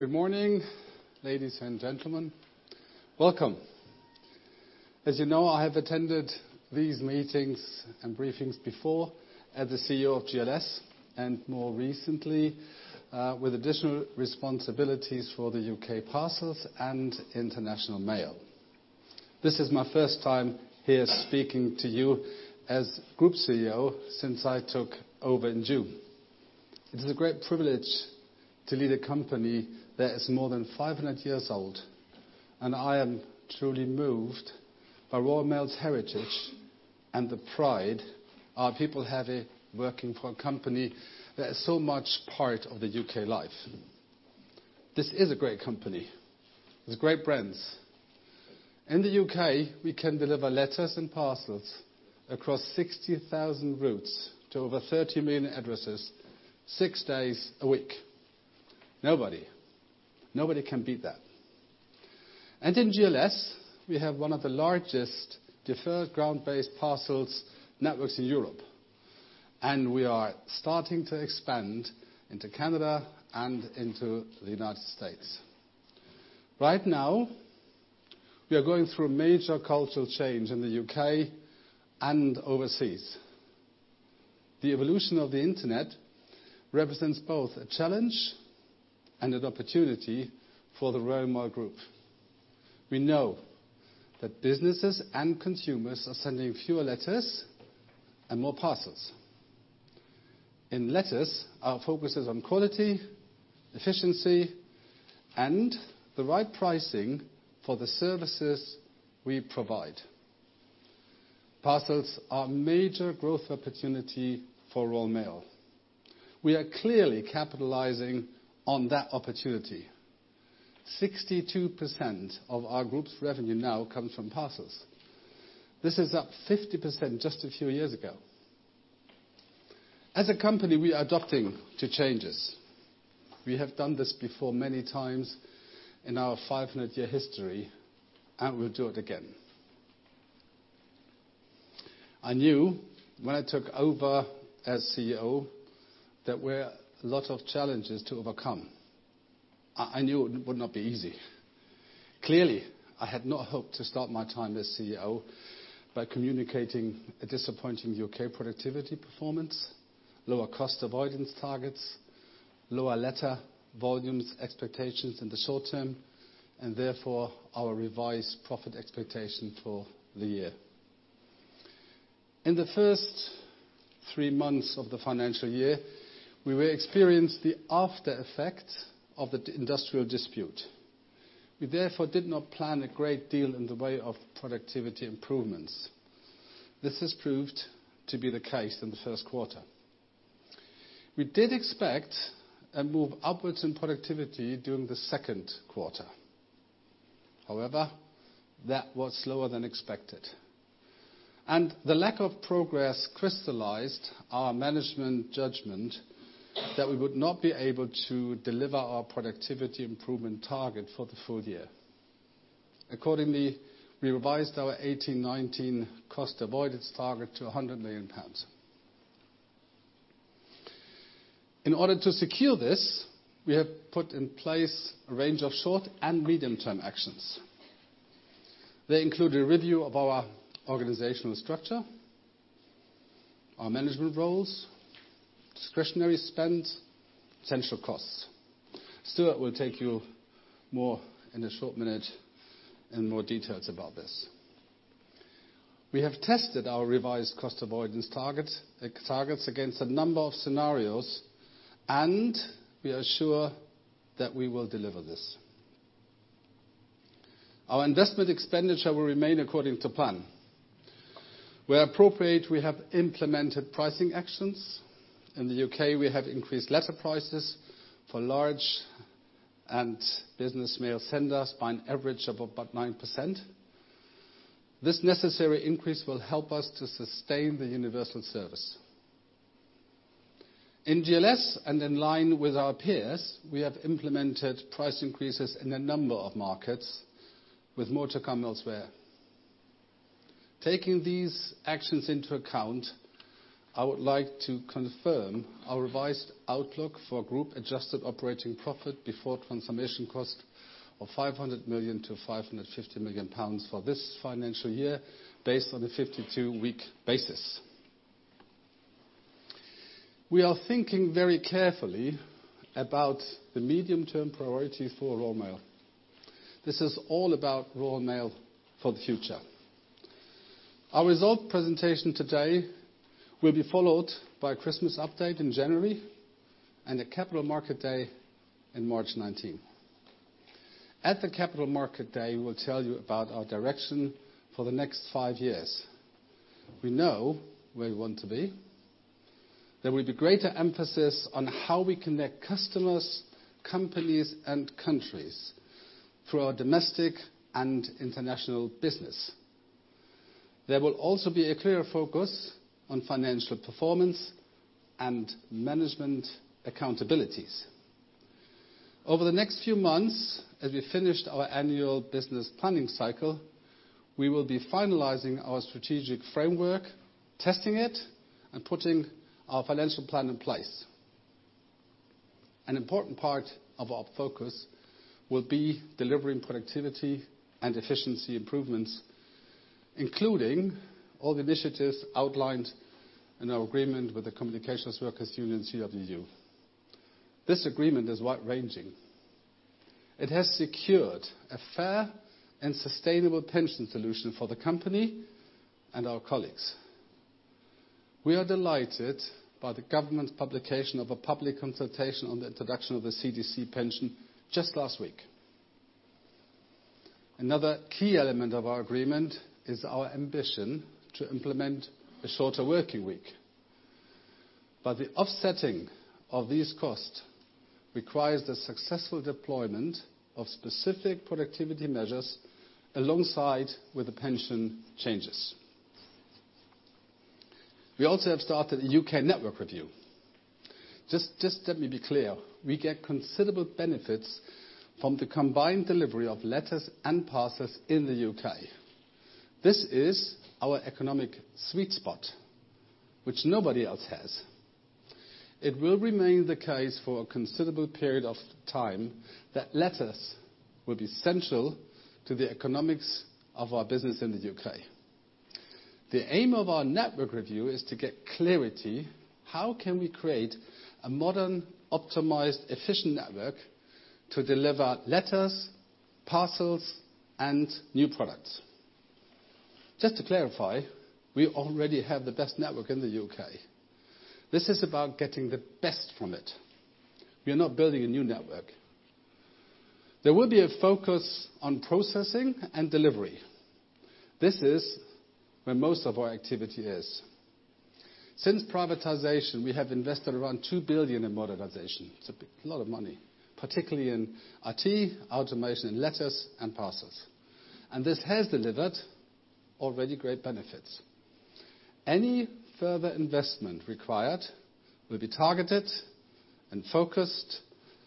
Good morning, ladies and gentlemen. Welcome. As you know, I have attended these meetings and briefings before as the CEO of GLS and more recently, with additional responsibilities for the U.K. parcels and international mail. This is my first time here speaking to you as group CEO since I took over in June. It is a great privilege to lead a company that is more than 500 years old, and I am truly moved by Royal Mail's heritage and the pride our people have working for a company that is so much part of the U.K. life. This is a great company with great brands. In the U.K., we can deliver letters and parcels across 60,000 routes to over 30 million addresses six days a week. Nobody can beat that. In GLS, we have one of the largest deferred ground-based parcels networks in Europe, and we are starting to expand into Canada and into the United States. Right now, we are going through a major cultural change in the U.K. and overseas. The evolution of the internet represents both a challenge and an opportunity for the Royal Mail Group. We know that businesses and consumers are sending fewer letters and more parcels. In letters, our focus is on quality, efficiency, and the right pricing for the services we provide. Parcels are a major growth opportunity for Royal Mail. We are clearly capitalizing on that opportunity. 62% of our group's revenue now comes from parcels. This is up 50% just a few years ago. As a company, we are adapting to changes. We have done this before many times in our 500-year history, and we'll do it again. I knew when I took over as CEO there were a lot of challenges to overcome. I knew it would not be easy. Clearly, I had not hoped to start my time as CEO by communicating a disappointing U.K. productivity performance, lower cost avoidance targets, lower letter volumes expectations in the short term, and therefore our revised profit expectation for the year. In the first three months of the financial year, we experienced the aftereffect of the industrial dispute. We therefore did not plan a great deal in the way of productivity improvements. This has proved to be the case in the first quarter. We did expect a move upwards in productivity during the second quarter. However, that was slower than expected, and the lack of progress crystallized our management judgment that we would not be able to deliver our productivity improvement target for the full year. Accordingly, we revised our 1819 cost avoidance target to 100 million pounds. In order to secure this, we have put in place a range of short and medium-term actions. They include a review of our organizational structure, our management roles, discretionary spend, central costs. Stuart will tell you more in a short minute in more details about this. We have tested our revised cost avoidance targets against a number of scenarios, and we are sure that we will deliver this. Our investment expenditure will remain according to plan. Where appropriate, we have implemented pricing actions. In the U.K., we have increased letter prices for large and business mail senders by an average of about 9%. This necessary increase will help us to sustain the universal service. In GLS and in line with our peers, we have implemented price increases in a number of markets with more to come elsewhere. Taking these actions into account, I would like to confirm our revised outlook for group-adjusted operating profit before transformation cost of 500 million to 550 million pounds for this financial year based on the 52-week basis. We are thinking very carefully about the medium-term priority for Royal Mail. This is all about Royal Mail for the future. Our result presentation today will be followed by a Christmas update in January and a Capital Markets Day in March 2019. At the Capital Markets Day, we'll tell you about our direction for the next five years. We know where we want to be. There will be greater emphasis on how we connect customers, companies, and countries through our domestic and international business. There will also be a clearer focus on financial performance and management accountabilities. Over the next few months, as we finish our annual business planning cycle. We will be finalizing our strategic framework, testing it, and putting our financial plan in place. An important part of our focus will be delivering productivity and efficiency improvements, including all the initiatives outlined in our agreement with the Communication Workers Union, CWU. This agreement is wide-ranging. It has secured a fair and sustainable pension solution for the company and our colleagues. We are delighted by the government's publication of a public consultation on the introduction of a CDC pension just last week. Another key element of our agreement is our ambition to implement a shorter working week. The offsetting of these costs requires the successful deployment of specific productivity measures alongside with the pension changes. We also have started a U.K. network review. Just let me be clear, we get considerable benefits from the combined delivery of letters and parcels in the U.K. This is our economic sweet spot, which nobody else has. It will remain the case for a considerable period of time that letters will be central to the economics of our business in the U.K. The aim of our network review is to get clarity. How can we create a modern, optimized, efficient network to deliver letters, parcels, and new products? Just to clarify, we already have the best network in the U.K. This is about getting the best from it. We are not building a new network. There will be a focus on processing and delivery. This is where most of our activity is. Since privatization, we have invested around 2 billion in modernization. It's a lot of money, particularly in IT, automation, letters, and parcels. This has delivered already great benefits. Any further investment required will be targeted and focused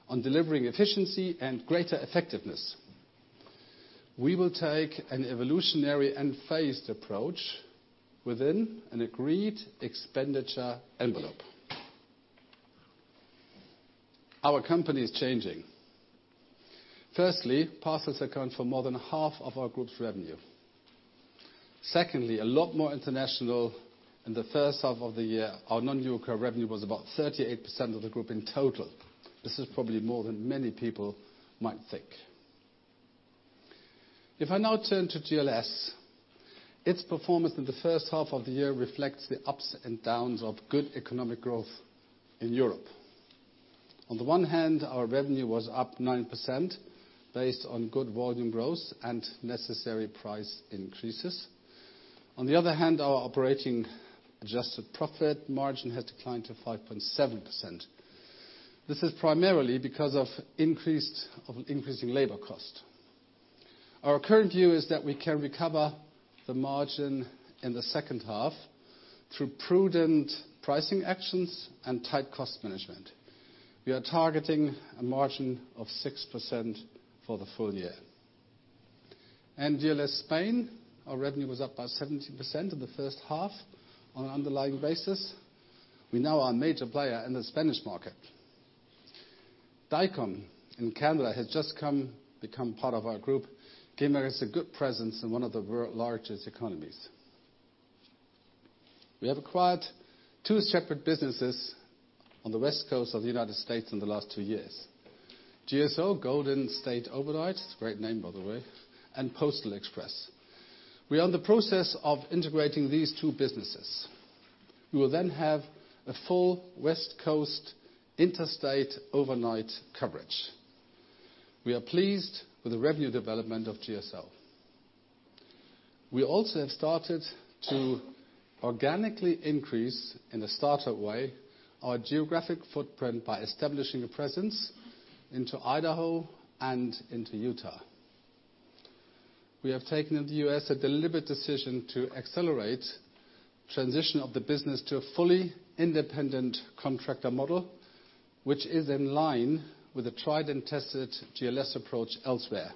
on delivering efficiency and greater effectiveness. We will take an evolutionary and phased approach within an agreed expenditure envelope. Our company is changing. Firstly, parcels account for more than half of our group's revenue. Secondly, a lot more international in the first half of the year. Our non-U.K. revenue was about 38% of the group in total. This is probably more than many people might think. If I now turn to GLS, its performance in the first half of the year reflects the ups and downs of good economic growth in Europe. On the one hand, our revenue was up 9%, based on good volume growth and necessary price increases. On the other hand, our operating adjusted profit margin has declined to 5.7%. This is primarily because of increasing labor cost. Our current view is that we can recover the margin in the second half through prudent pricing actions and tight cost management. We are targeting a margin of 6% for the full year. GLS Spain, our revenue was up by 70% in the first half on an underlying basis. We now are a major player in the Spanish market. Dicom in Canada has just become part of our group, giving us a good presence in one of the world's largest economies. We have acquired two separate businesses on the West Coast of the U.S. in the last two years. GSO, Golden State Overnight, it's a great name by the way, and Postal Express. We are in the process of integrating these two businesses. We will then have a full West Coast interstate overnight coverage. We are pleased with the revenue development of GSO. We also have started to organically increase, in a starter way, our geographic footprint by establishing a presence into Idaho and into Utah. We have taken in the U.S. a deliberate decision to accelerate transition of the business to a fully independent contractor model, which is in line with the tried and tested GLS approach elsewhere.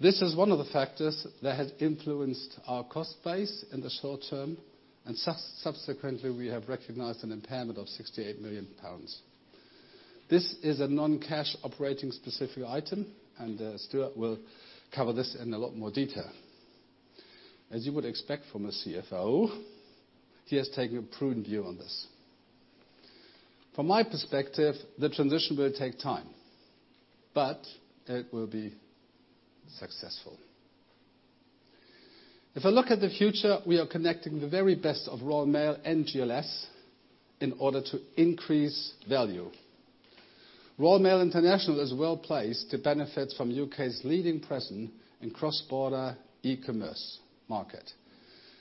This is one of the factors that has influenced our cost base in the short term, and subsequently, we have recognized an impairment of 68 million pounds. This is a non-cash operating specific item, and Stuart will cover this in a lot more detail. As you would expect from a CFO, he has taken a prudent view on this. From my perspective, the transition will take time, but it will be successful. If I look at the future, we are connecting the very best of Royal Mail and GLS in order to increase value. Royal Mail International is well-placed to benefit from U.K.'s leading presence in cross-border e-commerce market.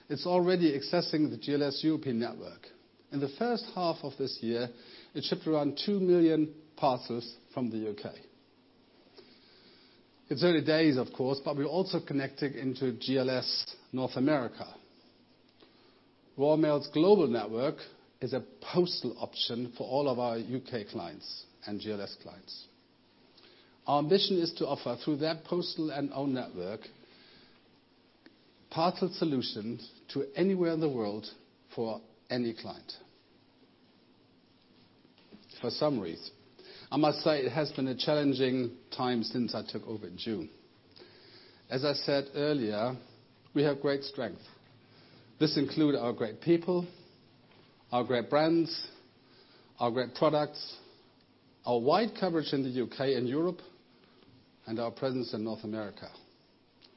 It's already accessing the GLS European network. In the first half of this year, it shipped around 2 million parcels from the U.K. It's early days of course, but we're also connecting into GLS North America. Royal Mail's global network is a postal option for all of our U.K. clients and GLS clients. Our ambition is to offer, through their postal and own network, parcel solutions to anywhere in the world for any client. For some reason, I must say it has been a challenging time since I took over in June. As I said earlier, we have great strength. This include our great people, our great brands, our great products, our wide coverage in the U.K. and Europe, and our presence in North America.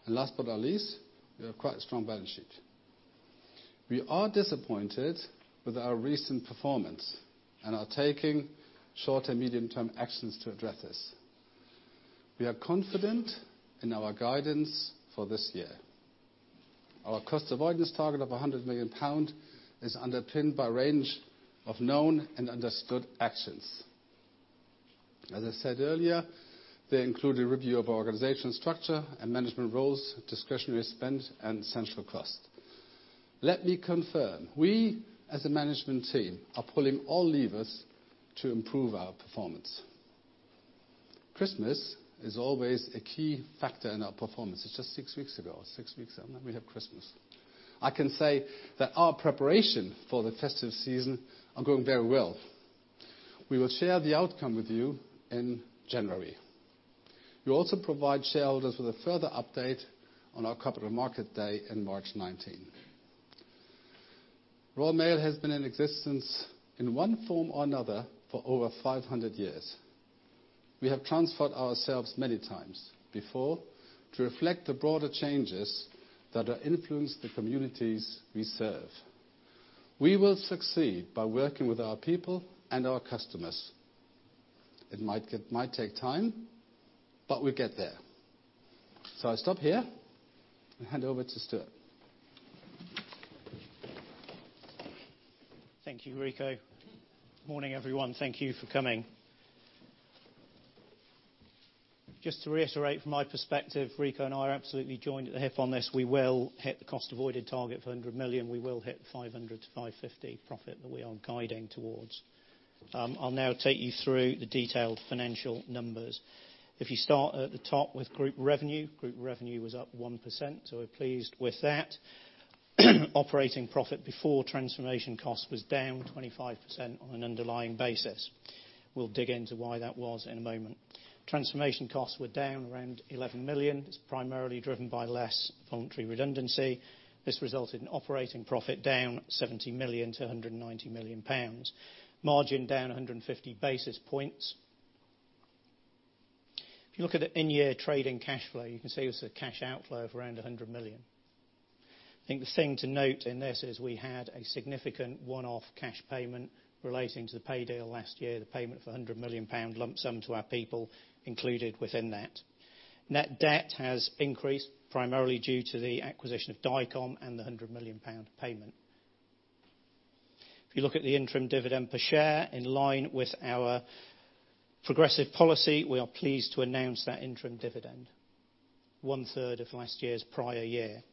Last but not least, we have quite a strong balance sheet. We are disappointed with our recent performance and are taking short and medium-term actions to address this. We are confident in our guidance for this year. Our cost avoidance target of 100 million pounds is underpinned by a range of known and understood actions. As I said earlier, they include a review of our organizational structure and management roles, discretionary spend, and central cost. Let me confirm, we, as a management team, are pulling all levers to improve our performance. Christmas is always a key factor in our performance. It's just six weeks ago, or six weeks from then we have Christmas. I can say that our preparation for the festive season are going very well. We will share the outcome with you in January. We'll also provide shareholders with a further update on our Capital Markets Day in March 19. Royal Mail has been in existence in one form or another for over 500 years. We have transferred ourselves many times before to reflect the broader changes that influence the communities we serve. We will succeed by working with our people and our customers. It might take time, but we'll get there. I'll stop here and hand over to Stuart. Thank you, Rico. Morning, everyone. Thank you for coming. Just to reiterate from my perspective, Rico and I are absolutely joined at the hip on this. We will hit the cost-avoided target of 100 million. We will hit 500 million to 550 million profit that we are guiding towards. I'll now take you through the detailed financial numbers. If you start at the top with group revenue, group revenue was up 1%. We're pleased with that. Operating profit before transformation cost was down 25% on an underlying basis. We'll dig into why that was in a moment. Transformation costs were down around 11 million. It's primarily driven by less voluntary redundancy. This resulted in operating profit down 70 million to 190 million pounds. Margin down 150 basis points. If you look at the in-year trading cash flow, you can see it was a cash outflow of around 100 million. I think the thing to note in this is we had a significant one-off cash payment relating to the pay deal last year, the payment of 100 million pound lump sum to our people included within that. Net debt has increased primarily due to the acquisition of Dicom and the 100 million pound payment. If you look at the interim dividend per share, in line with our progressive policy, we are pleased to announce that interim dividend, 1/3 of last year's prior year.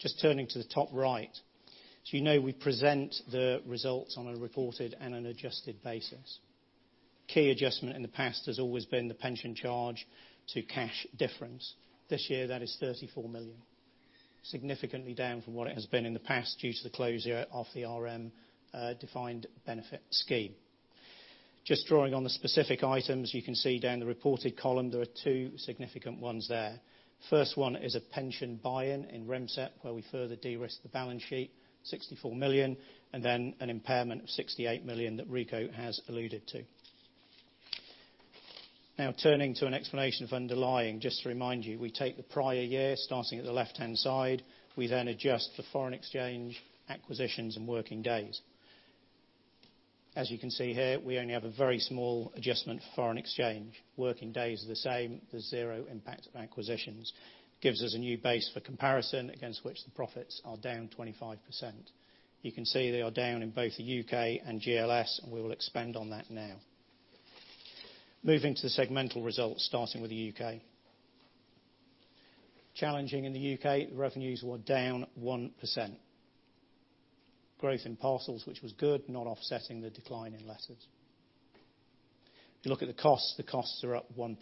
Just turning to the top right. As you know, we present the results on a reported and an adjusted basis. Key adjustment in the past has always been the pension charge to cash difference. This year, that is 34 million. Significantly down from what it has been in the past due to the closure of the Royal Mail defined benefit scheme. Just drawing on the specific items, you can see down the reported column, there are two significant ones there. First one is a pension buy-in in RMSEPP, where we further de-risk the balance sheet, 64 million, and then an impairment of 68 million that Rico has alluded to. Now turning to an explanation of underlying. Just to remind you, we take the prior year, starting at the left-hand side. We then adjust for foreign exchange, acquisitions, and working days. As you can see here, we only have a very small adjustment for foreign exchange. Working days are the same. There's zero impact of acquisitions. Gives us a new base for comparison against which the profits are down 25%. You can see they are down in both the U.K. and GLS, and we will expand on that now. Moving to the segmental results, starting with the U.K. Challenging in the U.K. The revenues were down 1%. Growth in parcels, which was good, not offsetting the decline in letters. The costs are up 1%.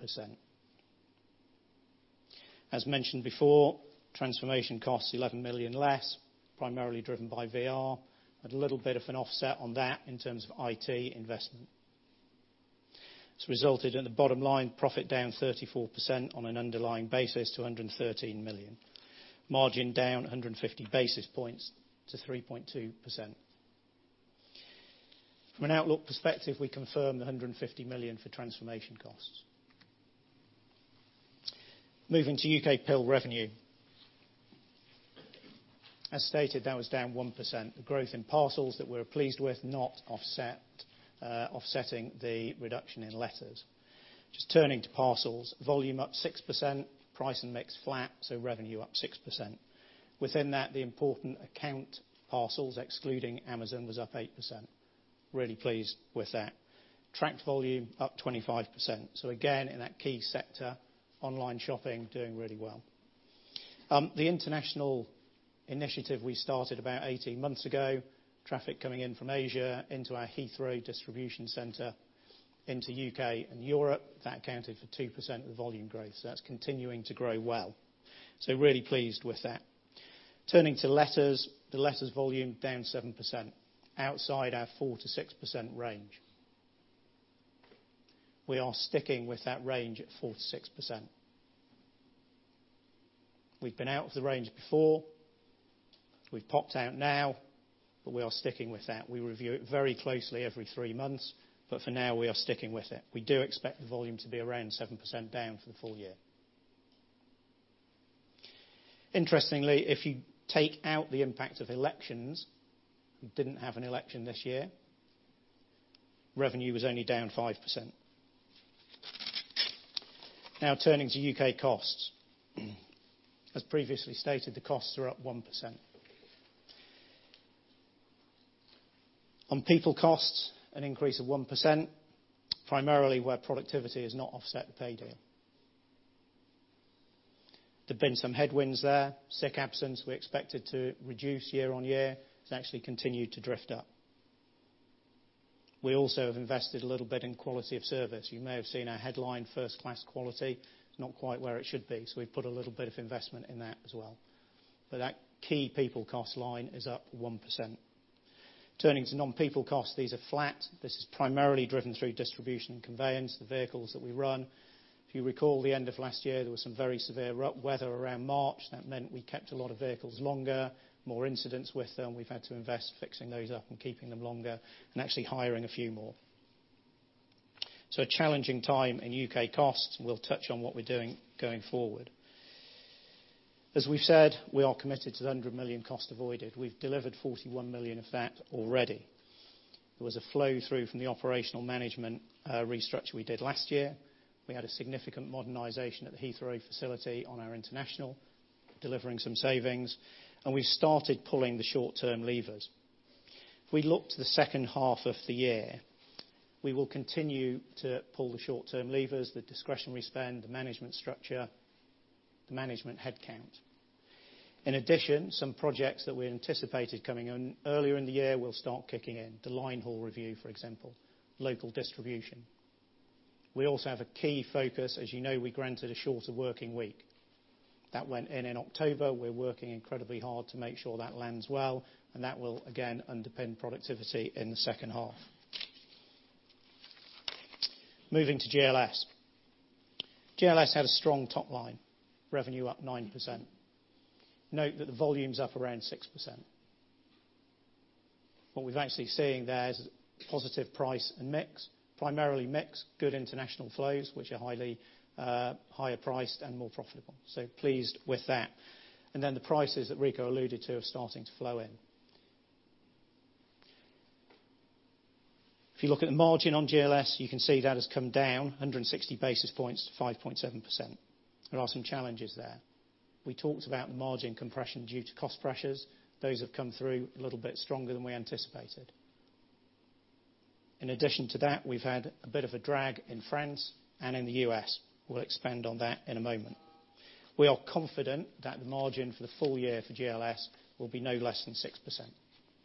As mentioned before, transformation costs 11 million less, primarily driven by VR. Had a little bit of an offset on that in terms of IT investment. It's resulted in the bottom line profit down 34% on an underlying basis to 113 million. Margin down 150 basis points to 3.2%. From an outlook perspective, we confirm the 150 million for transformation costs. Moving to UKPIL revenue. As stated, that was down 1%. The growth in parcels that we're pleased with not offsetting the reduction in letters. Just turning to parcels. Volume up 6%, price and mix flat, so revenue up 6%. Within that, the important account parcels excluding Amazon was up 8%. Really pleased with that. Tracked volume up 25%. Again, in that key sector, online shopping doing really well. The international initiative we started about 18 months ago, traffic coming in from Asia into our Heathrow distribution center into U.K. and Europe, that accounted for 2% of the volume growth. That's continuing to grow well. Really pleased with that. Turning to letters, the letters volume down 7%, outside our 4%-6% range. We are sticking with that range at 4%-6%. We've been out of the range before. We've popped out now, but we are sticking with that. We review it very closely every three months, but for now we are sticking with it. We do expect the volume to be around 7% down for the full year. Interestingly, if you take out the impact of elections, we didn't have an election this year, revenue was only down 5%. Turning to U.K. costs. As previously stated, the costs are up 1%. On people costs, an increase of 1%, primarily where productivity has not offset the pay deal. There have been some headwinds there. Sick absence, we expected to reduce year-on-year, it's actually continued to drift up. We also have invested a little bit in quality of service. You may have seen our headline first-class quality is not quite where it should be, so we've put a little bit of investment in that as well. That key people cost line is up 1%. Turning to non-people costs, these are flat. This is primarily driven through distribution and conveyance, the vehicles that we run. If you recall, the end of last year, there was some very severe weather around March. That meant we kept a lot of vehicles longer, more incidents with them. We've had to invest fixing those up and keeping them longer and actually hiring a few more. A challenging time in U.K. costs. We'll touch on what we're doing going forward. As we've said, we are committed to the 100 million cost avoided. We've delivered 41 million of that already. There was a flow-through from the operational management restructure we did last year. We had a significant modernization at the Heathrow facility on our international, delivering some savings. We started pulling the short-term levers. Looking to the second half of the year, we will continue to pull the short-term levers, the discretionary spend, the management structure, the management headcount. In addition, some projects that we anticipated coming on earlier in the year will start kicking in. The line haul review, for example, local distribution. We also have a key focus. As you know, we granted a shorter working week. That went in in October. We're working incredibly hard to make sure that lands well, and that will, again, underpin productivity in the second half. Moving to GLS. GLS had a strong top line, revenue up 9%. Note that the volume's up around 6%. What we're actually seeing there is positive price and mix, primarily mix, good international flows, which are higher priced and more profitable. Pleased with that. The prices that Rico alluded to are starting to flow in. If you look at the margin on GLS, you can see that has come down 160 basis points to 5.7%. There are some challenges there. We talked about margin compression due to cost pressures. Those have come through a little bit stronger than we anticipated. In addition to that, we've had a bit of a drag in France and in the U.S. We'll expand on that in a moment. We are confident that the margin for the full year for GLS will be no less than 6%,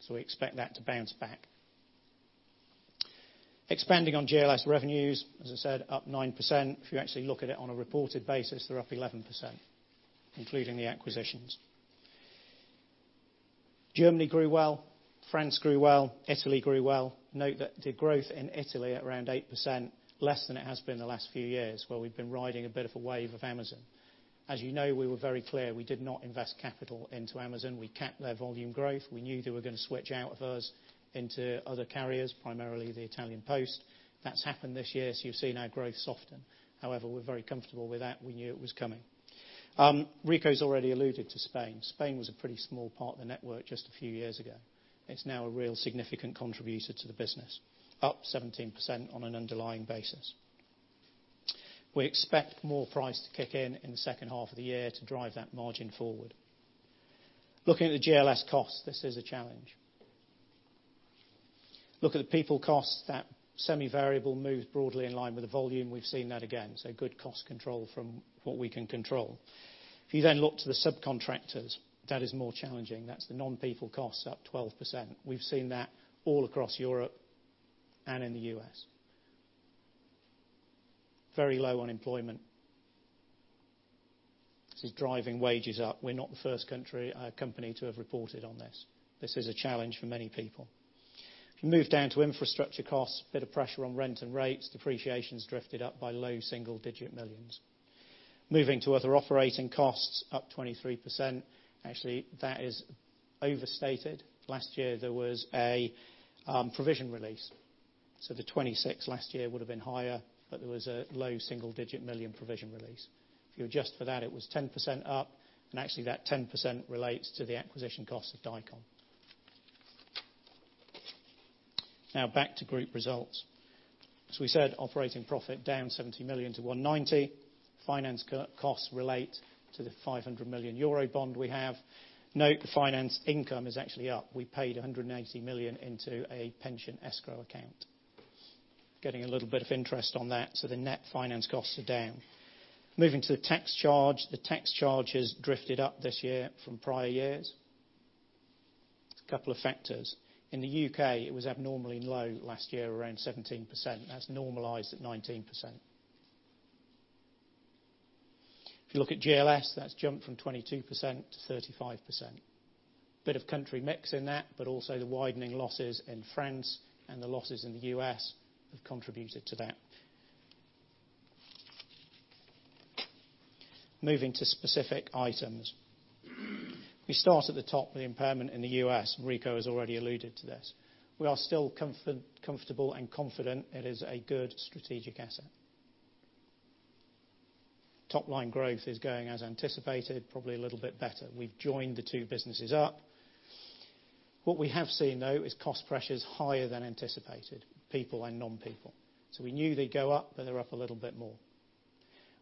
so we expect that to bounce back. Expanding on GLS revenues, as I said, up 9%. If you actually look at it on a reported basis, they're up 11%, including the acquisitions. Germany grew well, France grew well, Italy grew well. Note that the growth in Italy at around 8%, less than it has been the last few years, where we've been riding a bit of a wave of Amazon. As you know, we were very clear we did not invest capital into Amazon. We capped their volume growth. We knew they were going to switch out of us into other carriers, primarily Poste Italiane. That's happened this year, so you've seen our growth soften. We're very comfortable with that. We knew it was coming. Rico's already alluded to Spain. Spain was a pretty small part of the network just a few years ago. It's now a real significant contributor to the business, up 17% on an underlying basis. We expect more price to kick in in the second half of the year to drive that margin forward. Looking at the GLS cost, this is a challenge. Look at the people cost, that semi-variable move broadly in line with the volume, we've seen that again. Good cost control from what we can control. Look to the subcontractors, that is more challenging. That's the non-people costs up 12%. We've seen that all across Europe and in the U.S. Very low unemployment. This is driving wages up. We're not the first company to have reported on this. This is a challenge for many people. If you move down to infrastructure costs, a bit of pressure on rent and rates, depreciation's drifted up by low-single-digit millions. Moving to other operating costs, up 23%. Actually, that is overstated. Last year, there was a provision release. The 26% last year would have been higher, but there was a low-single-digit million provision release. If you adjust for that, it was 10% up, and actually that 10% relates to the acquisition cost of Dicom. Back to group results. As we said, operating profit down 70 million to 190 million. Finance costs relate to the 500 million euro bond we have. Note, the finance income is actually up. We paid 180 million into a pension escrow account. Getting a little bit of interest on that. The net finance costs are down. Moving to the tax charge. The tax charge has drifted up this year from prior years. A couple of factors. In the U.K., it was abnormally low last year, around 17%. That's normalized at 19%. If you look at GLS, that's jumped from 22%-35%. Bit of country mix in that, but also the widening losses in France and the losses in the U.S. have contributed to that. Moving to specific items. We start at the top with the impairment in the U.S. Rico has already alluded to this. We are still comfortable and confident it is a good strategic asset. Top line growth is going as anticipated, probably a little bit better. We've joined the two businesses up. What we have seen, though, is cost pressures higher than anticipated, people and non-people. We knew they'd go up, but they're up a little bit more.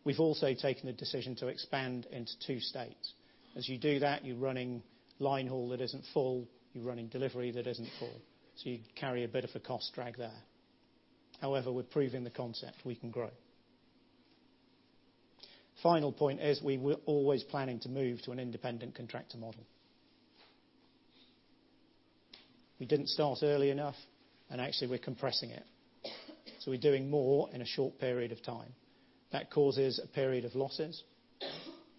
We've also taken the decision to expand into two states. As you do that, you're running line haul that isn't full, you're running delivery that isn't full. You carry a bit of a cost drag there. However, we're proving the concept. We can grow. Final point is we were always planning to move to an independent contractor model. We didn't start early enough, and actually, we're compressing it. We're doing more in a short period of time. That causes a period of losses,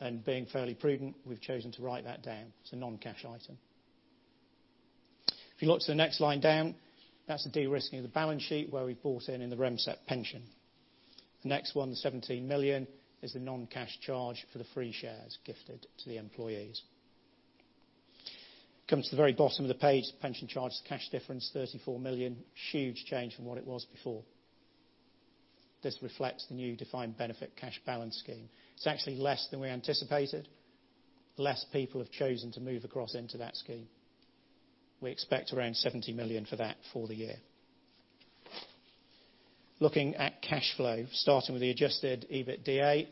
and being fairly prudent, we've chosen to write that down. It's a non-cash item. If you look to the next line down, that's the de-risking of the balance sheet where we've bought in in the RMSEPP pension. The next one, the 17 million, is the non-cash charge for the free shares gifted to the employees. Come to the very bottom of the page, pension charge to cash difference, 34 million. Huge change from what it was before. This reflects the new defined benefit cash balance scheme. It's actually less than we anticipated. Less people have chosen to move across into that scheme. We expect around 70 million for that for the year. Looking at cash flow, starting with the adjusted EBITDA,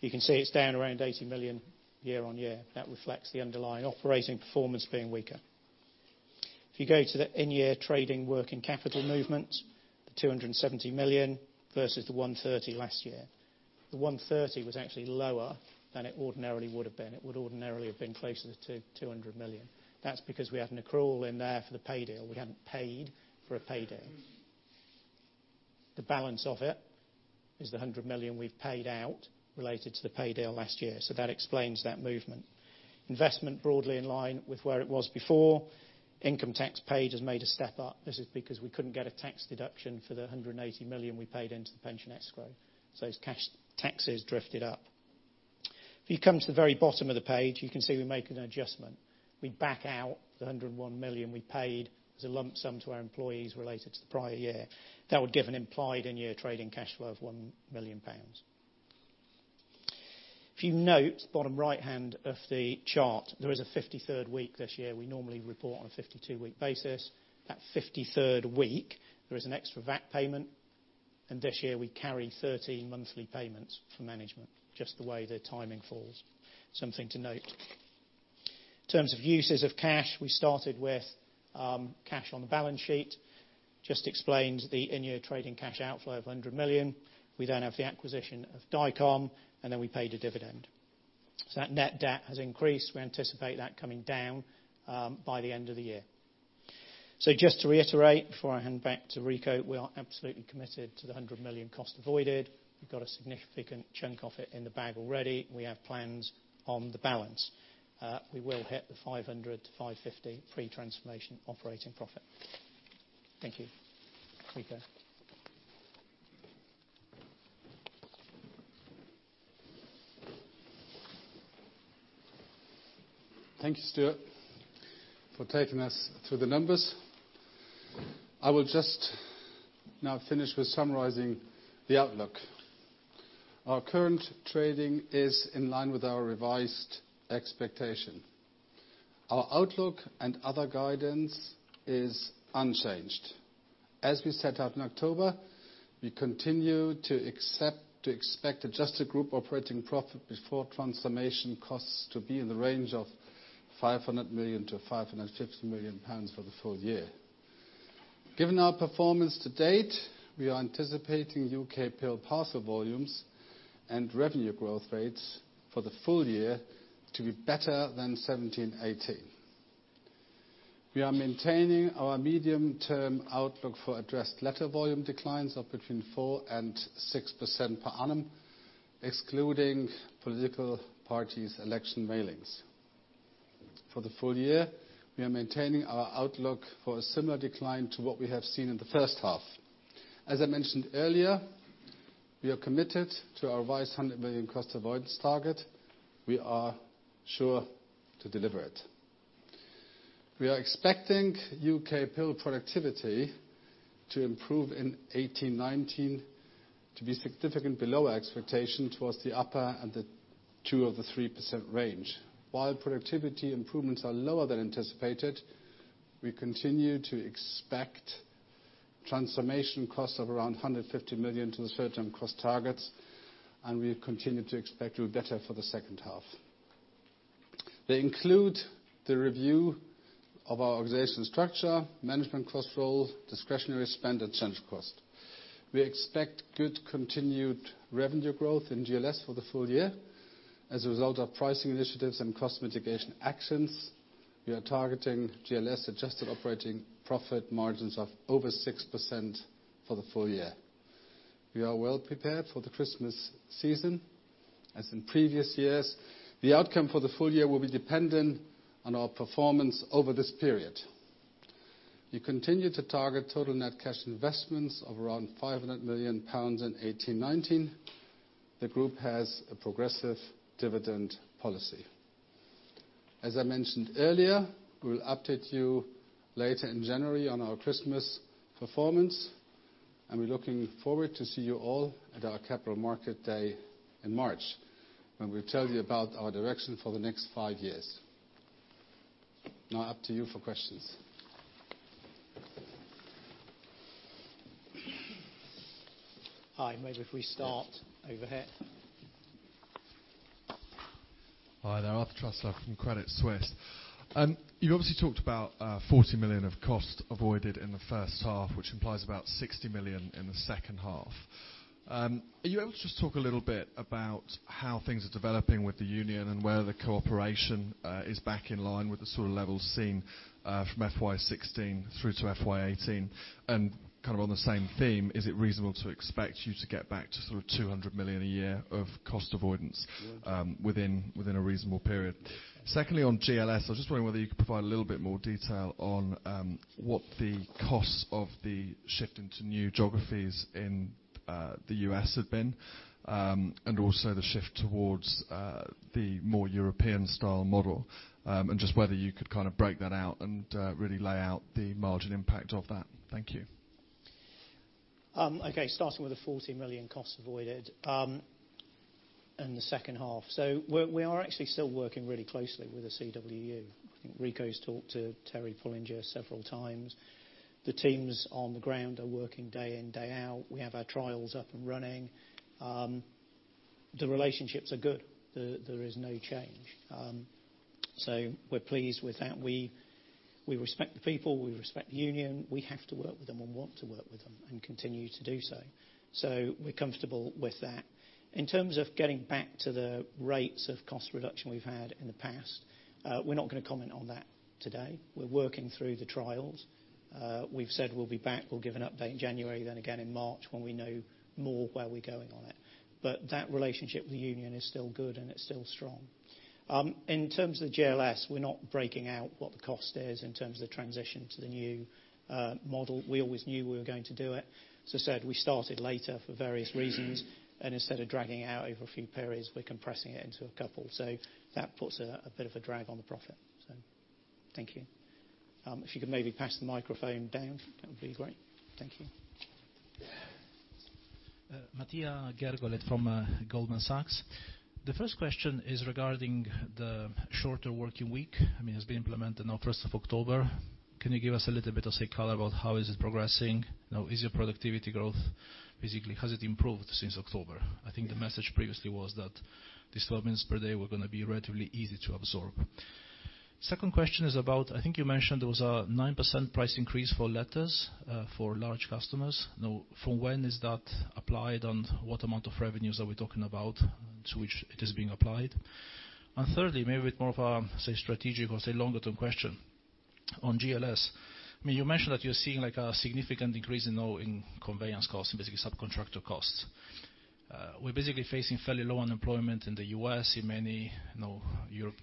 you can see it's down around 80 million year-over-year. That reflects the underlying operating performance being weaker. If you go to the in-year trading working capital movement, the 270 million versus the 130 last year. The 130 was actually lower than it ordinarily would have been. It would ordinarily have been closer to 200 million. That's because we had an accrual in there for the pay deal. We hadn't paid for a pay deal. The balance of it is the 100 million we've paid out related to the pay deal last year. That explains that movement. Investment broadly in line with where it was before. Income tax paid has made a step up. This is because we couldn't get a tax deduction for the 180 million we paid into the pension escrow. As cash taxes drifted up. If you come to the very bottom of the page, you can see we make an adjustment. We back out the 101 million we paid as a lump sum to our employees related to the prior year. That would give an implied in-year trading cash flow of 1 million pounds. If you note, bottom right-hand of the chart, there is a 53rd week this year. We normally report on a 52-week basis. That 53rd week, there is an extra VAT payment, and this year, we carry 13 monthly payments for management, just the way the timing falls. Something to note. In terms of uses of cash, we started with cash on the balance sheet. Just explains the in-year trading cash outflow of 100 million. We then have the acquisition of Dicom, and then we paid a dividend. That net debt has increased. We anticipate that coming down by the end of the year. Just to reiterate before I hand back to Rico, we are absolutely committed to the 100 million cost avoided. We've got a significant chunk of it in the bag already. We have plans on the balance. We will hit the 500 million-550 million pre-transformation operating profit. Thank you. Rico. Thank you, Stuart, for taking us through the numbers. I will just now finish with summarizing the outlook. Our current trading is in line with our revised expectation. Our outlook and other guidance is unchanged. As we set out in October, we continue to expect adjusted group operating profit before transformation costs to be in the range of 500 million-550 million pounds for the full year. Given our performance to date, we are anticipating U.K. mail parcel volumes and revenue growth rates for the full year to be better than 2017, 2018. We are maintaining our medium-term outlook for addressed letter volume declines of between 4%-6% per annum, excluding political parties election mailings. For the full year, we are maintaining our outlook for a similar decline to what we have seen in the first half. As I mentioned earlier, we are committed to our revised 100 million cost avoidance target. We are sure to deliver it. We are expecting U.K. mail productivity to improve in 2018, 2019, to be significantly below expectation towards the upper and the 2%-3% range. While productivity improvements are lower than anticipated, we continue to expect transformation costs of around 150 million to the full-term cost targets, and we continue to expect to do better for the second half. They include the review of our organization structure, management cost role, discretionary spend, and change cost. We expect good continued revenue growth in GLS for the full year. As a result of pricing initiatives and cost mitigation actions, we are targeting GLS-adjusted operating profit margins of over 6% for the full year. We are well prepared for the Christmas season. As in previous years, the outcome for the full year will be dependent on our performance over this period. We continue to target total net cash investments of around 500 million pounds in 2018-2019. The group has a progressive dividend policy. As I mentioned earlier, we will update you later in January on our Christmas performance, and we're looking forward to see you all at our Capital Markets Day in March, when we tell you about our direction for the next five years. Up to you for questions. Hi. Maybe if we start over here. Hi there. Arthur Truslove from Credit Suisse. You obviously talked about 40 million of cost avoided in the first half, which implies about 60 million in the second half. Are you able to just talk a little bit about how things are developing with the union, and whether the cooperation is back in line with the sort of level seen from FY 2016 through to FY 2018? Kind of on the same theme, is it reasonable to expect you to get back to sort of 200 million a year of cost avoidance within a reasonable period? Secondly, on GLS, I was just wondering whether you could provide a little bit more detail on what the costs of the shift into new geographies in the U.S. have been, and also the shift towards the more European style model. Just whether you could kind of break that out, and really lay out the margin impact of that. Thank you. Okay. Starting with the 40 million cost avoided in the second half. We are actually still working really closely with the CWU. I think Rico's talked to Terry Pullinger several times. The teams on the ground are working day in, day out. We have our trials up and running. The relationships are good. There is no change. We're pleased with that. We respect the people, we respect the Union. We have to work with them and want to work with them, and continue to do so. We're comfortable with that. In terms of getting back to the rates of cost reduction we've had in the past, we're not going to comment on that today. We're working through the trials. We've said we'll be back. We'll give an update in January, again in March when we know more where we're going on it. That relationship with the Union is still good and it's still strong. In terms of GLS, we're not breaking out what the cost is in terms of transition to the new model. We always knew we were going to do it. As I said, we started later for various reasons. Instead of dragging it out over a few periods, we're compressing it into a couple. That puts a bit of a drag on the profit. Thank you. If you could maybe pass the microphone down, that would be great. Thank you. Matija Gergolet from Goldman Sachs. The first question is regarding the shorter working week. I mean, it's been implemented now 1st of October. Can you give us a little bit of, say, color about how is it progressing now? Is your productivity growth, basically, has it improved since October? I think the message previously was that these 12 minutes per day were going to be relatively easy to absorb. Second question is about, I think you mentioned there was a 9% price increase for letters for large customers. From when is that applied, and what amount of revenues are we talking about to which it is being applied? Thirdly, maybe with more of a, say, strategic or, say, longer term question on GLS. I mean, you mentioned that you're seeing like a significant increase now in conveyance costs and basically subcontractor costs. We're basically facing fairly low unemployment in the U.S., in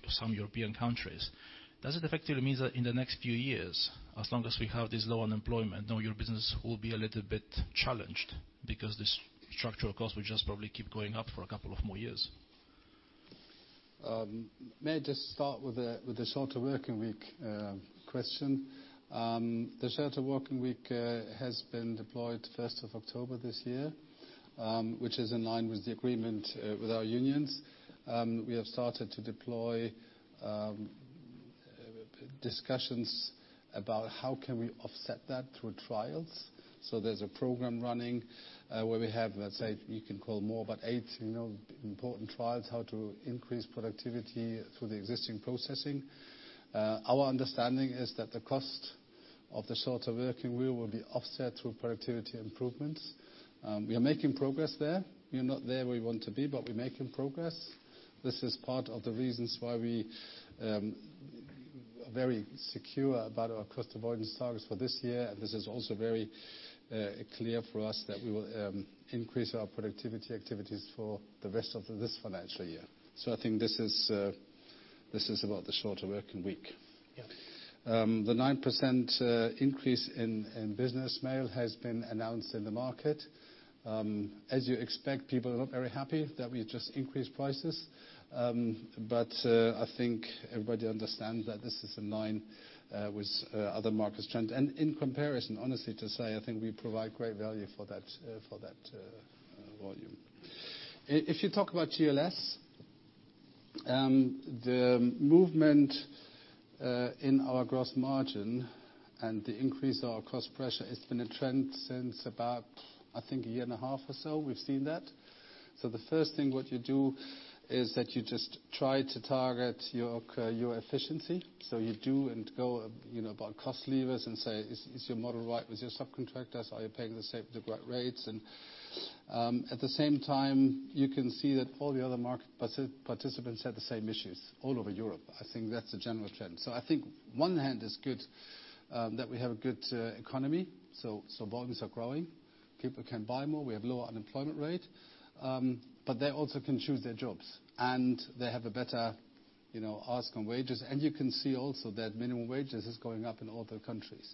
some European countries. Does it effectively mean that in the next few years, as long as we have this low unemployment, now your business will be a little bit challenged because this structural cost will just probably keep going up for a couple of more years? May I just start with the shorter working week question. The shorter working week has been deployed 1st of October this year, which is in line with the agreement with our unions. We have started to deploy discussions about how can we offset that through trials. There's a program running where we have, let's say, you can call more about eight important trials, how to increase productivity through the existing processing. Our understanding is that the cost of the shorter working week will be offset through productivity improvements. We are making progress there. We are not there where we want to be, but we're making progress. This is part of the reasons why we are very secure about our cost avoidance targets for this year. This is also very clear for us that we will increase our productivity activities for the rest of this financial year. I think this is about the shorter working week. The 9% increase in business mail has been announced in the market. As you expect, people are not very happy that we just increased prices. I think everybody understands that this is in line with other market trends. In comparison, honestly to say, I think we provide great value for that volume. If you talk about GLS. The movement in our gross margin and the increase of our cost pressure, it's been a trend since about a year and a half or so, we've seen that. The first thing what you do is that you just try to target your efficiency. You do and go about cost levers and say, "Is your model right with your subcontractors? Are you paying the right rates?" At the same time, you can see that all the other market participants have the same issues all over Europe. I think that's a general trend. I think one hand is good that we have a good economy, so volumes are growing. People can buy more, we have lower unemployment rate. They also can choose their jobs, and they have a better ask on wages. You can see also that minimum wages is going up in other countries.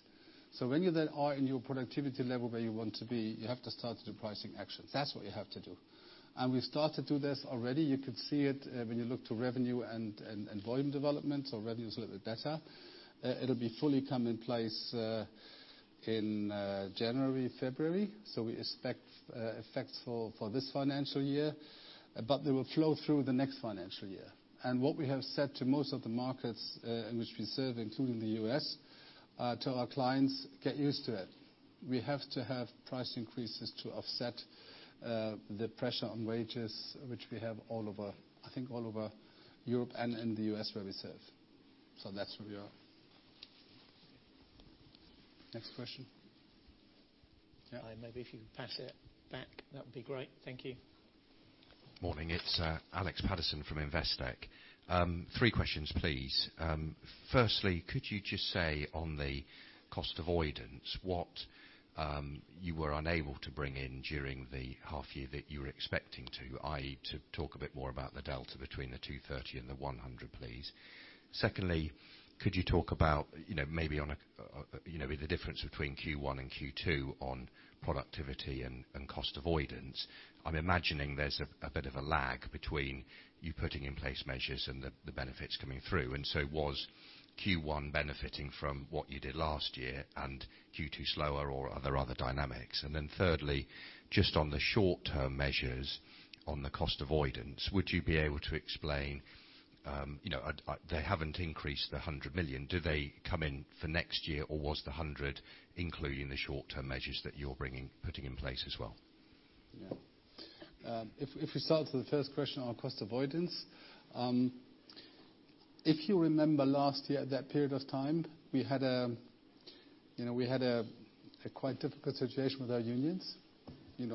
When you then are in your productivity level where you want to be, you have to start to do pricing actions. That's what you have to do. We started to do this already. You could see it when you look to revenue and volume development. Revenue is a little bit better. It'll be fully come in place in January, February. We expect effects for this financial year. They will flow through the next financial year. What we have said to most of the markets in which we serve, including the U.S., to our clients, "Get used to it." We have to have price increases to offset the pressure on wages, which we have I think all over Europe and in the U.S. where we serve. That's where we are. Next question? Yeah. Maybe if you pass it back, that would be great. Thank you. Morning. It's Alex Paterson from Investec. Three questions, please. Firstly, could you just say on the cost avoidance, what you were unable to bring in during the half year that you were expecting to, i.e., to talk a bit more about the delta between the 230 million and the 100 million, please. Secondly, could you talk about maybe on the difference between Q1 and Q2 on productivity and cost avoidance. I'm imagining there's a bit of a lag between you putting in place measures and the benefits coming through. Was Q1 benefiting from what you did last year and Q2 slower or are there other dynamics? Thirdly, just on the short-term measures on the cost avoidance, would you be able to explain, they haven't increased the 100 million. Do they come in for next year or was the 100 including the short-term measures that you're putting in place as well? If we start with the first question on cost avoidance. If you remember last year at that period of time, we had a quite difficult situation with our unions.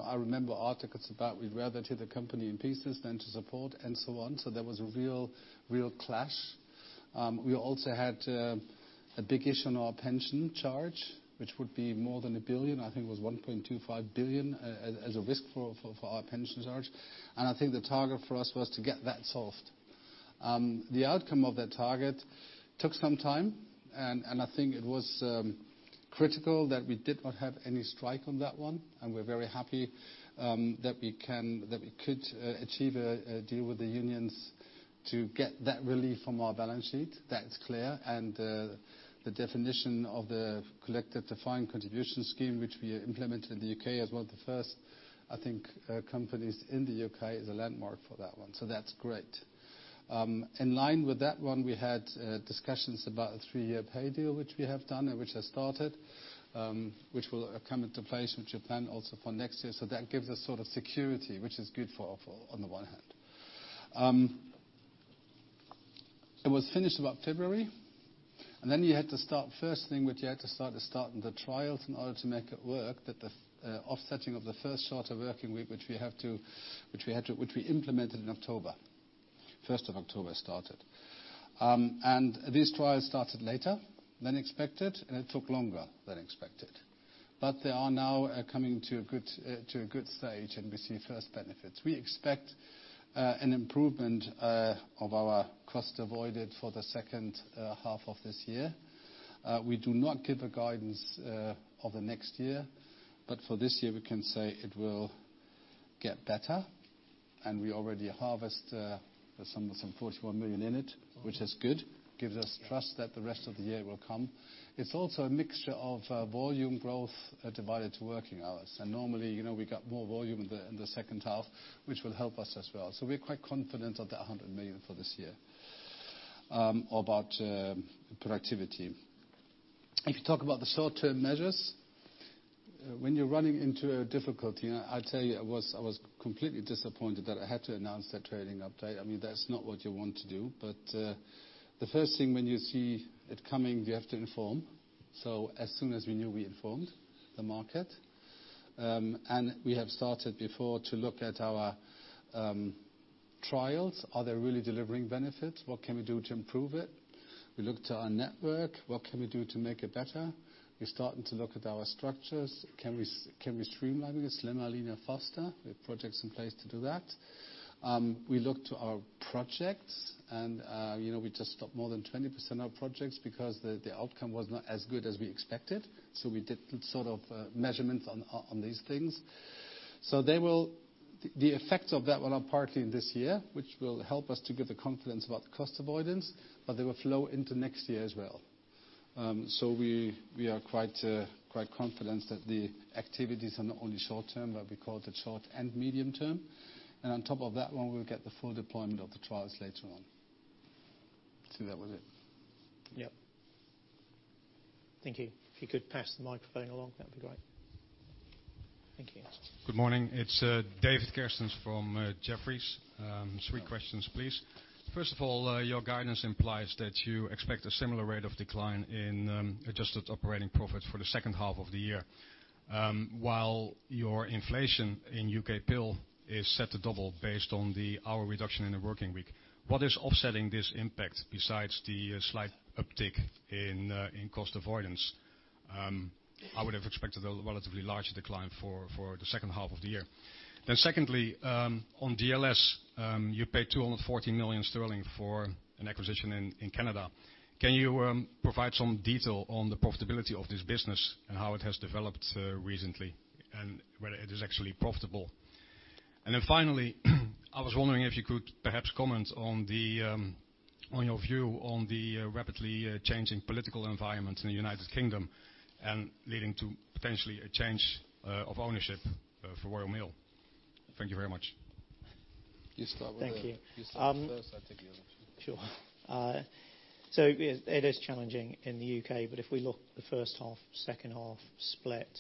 I remember articles about we'd rather tear the company in pieces than to support and so on. There was a real clash. We also had a big issue on our pension charge, which would be more than 1 billion, I think it was 1.25 billion as a risk for our pension charge. I think the target for us was to get that solved. The outcome of that target took some time and I think it was critical that we did not have any strike on that one, and we're very happy that we could achieve a deal with the unions to get that relief from our balance sheet. That's clear. The definition of the collective defined contribution scheme, which we implemented in the U.K. as one of the first, I think, companies in the U.K. is a landmark for that one. That's great. In line with that one, we had discussions about a three-year pay deal which we have done and which has started, which will come into place which we plan also for next year. That gives us sort of security, which is good for on the one hand. It was finished about February, then you had to start first thing, which you had to start in the trials in order to make it work, that the offsetting of the first shorter working week which we implemented in October. 1st of October started. These trials started later than expected and it took longer than expected. They are now coming to a good stage and we see first benefits. We expect an improvement of our cost avoided for the second half of this year. We do not give a guidance of the next year. For this year we can say it will get better and we already harvest some 44 million in it, which is good. Gives us trust that the rest of the year will come. It's also a mixture of volume growth divided to working hours. Normally, we got more volume in the second half, which will help us as well. We're quite confident of that 100 million for this year. About productivity. If you talk about the short-term measures. When you're running into a difficulty, and I tell you, I was completely disappointed that I had to announce that trading update. That's not what you want to do. The first thing when you see it coming, you have to inform. As soon as we knew, we informed the market. We have started before to look at our trials. Are they really delivering benefits? What can we do to improve it? We looked to our network. What can we do to make it better? We're starting to look at our structures. Can we streamline it, slimmer, leaner, faster? We have projects in place to do that. We looked to our projects and we just stopped more than 20% of projects because the outcome was not as good as we expected. We did sort of measurements on these things. The effects of that were not partly in this year, which will help us to give the confidence about cost avoidance, but they will flow into next year as well. We are quite confident that the activities are not only short term, but we call it short and medium term. On top of that one, we'll get the full deployment of the trials later on. I think that was it. Yep. Thank you. If you could pass the microphone along, that'd be great. Thank you. Good morning. It's David Kerstens from Jefferies. Three questions, please. First of all, your guidance implies that you expect a similar rate of decline in adjusted operating profit for the second half of the year. While your inflation in UKPIL is set to double based on the hour reduction in the working week. What is offsetting this impact besides the slight uptick in cost avoidance? I would have expected a relatively large decline for the second half of the year. Secondly, on GLS, you paid 240 million sterling for an acquisition in Canada. Can you provide some detail on the profitability of this business and how it has developed recently and whether it is actually profitable? Finally, I was wondering if you could perhaps comment on your view on the rapidly changing political environment in the United Kingdom and leading to potentially a change of ownership for Royal Mail. Thank you very much. Thank you. You start first, I take the other two. Sure. It is challenging in the U.K., but if we look the first half, second half split,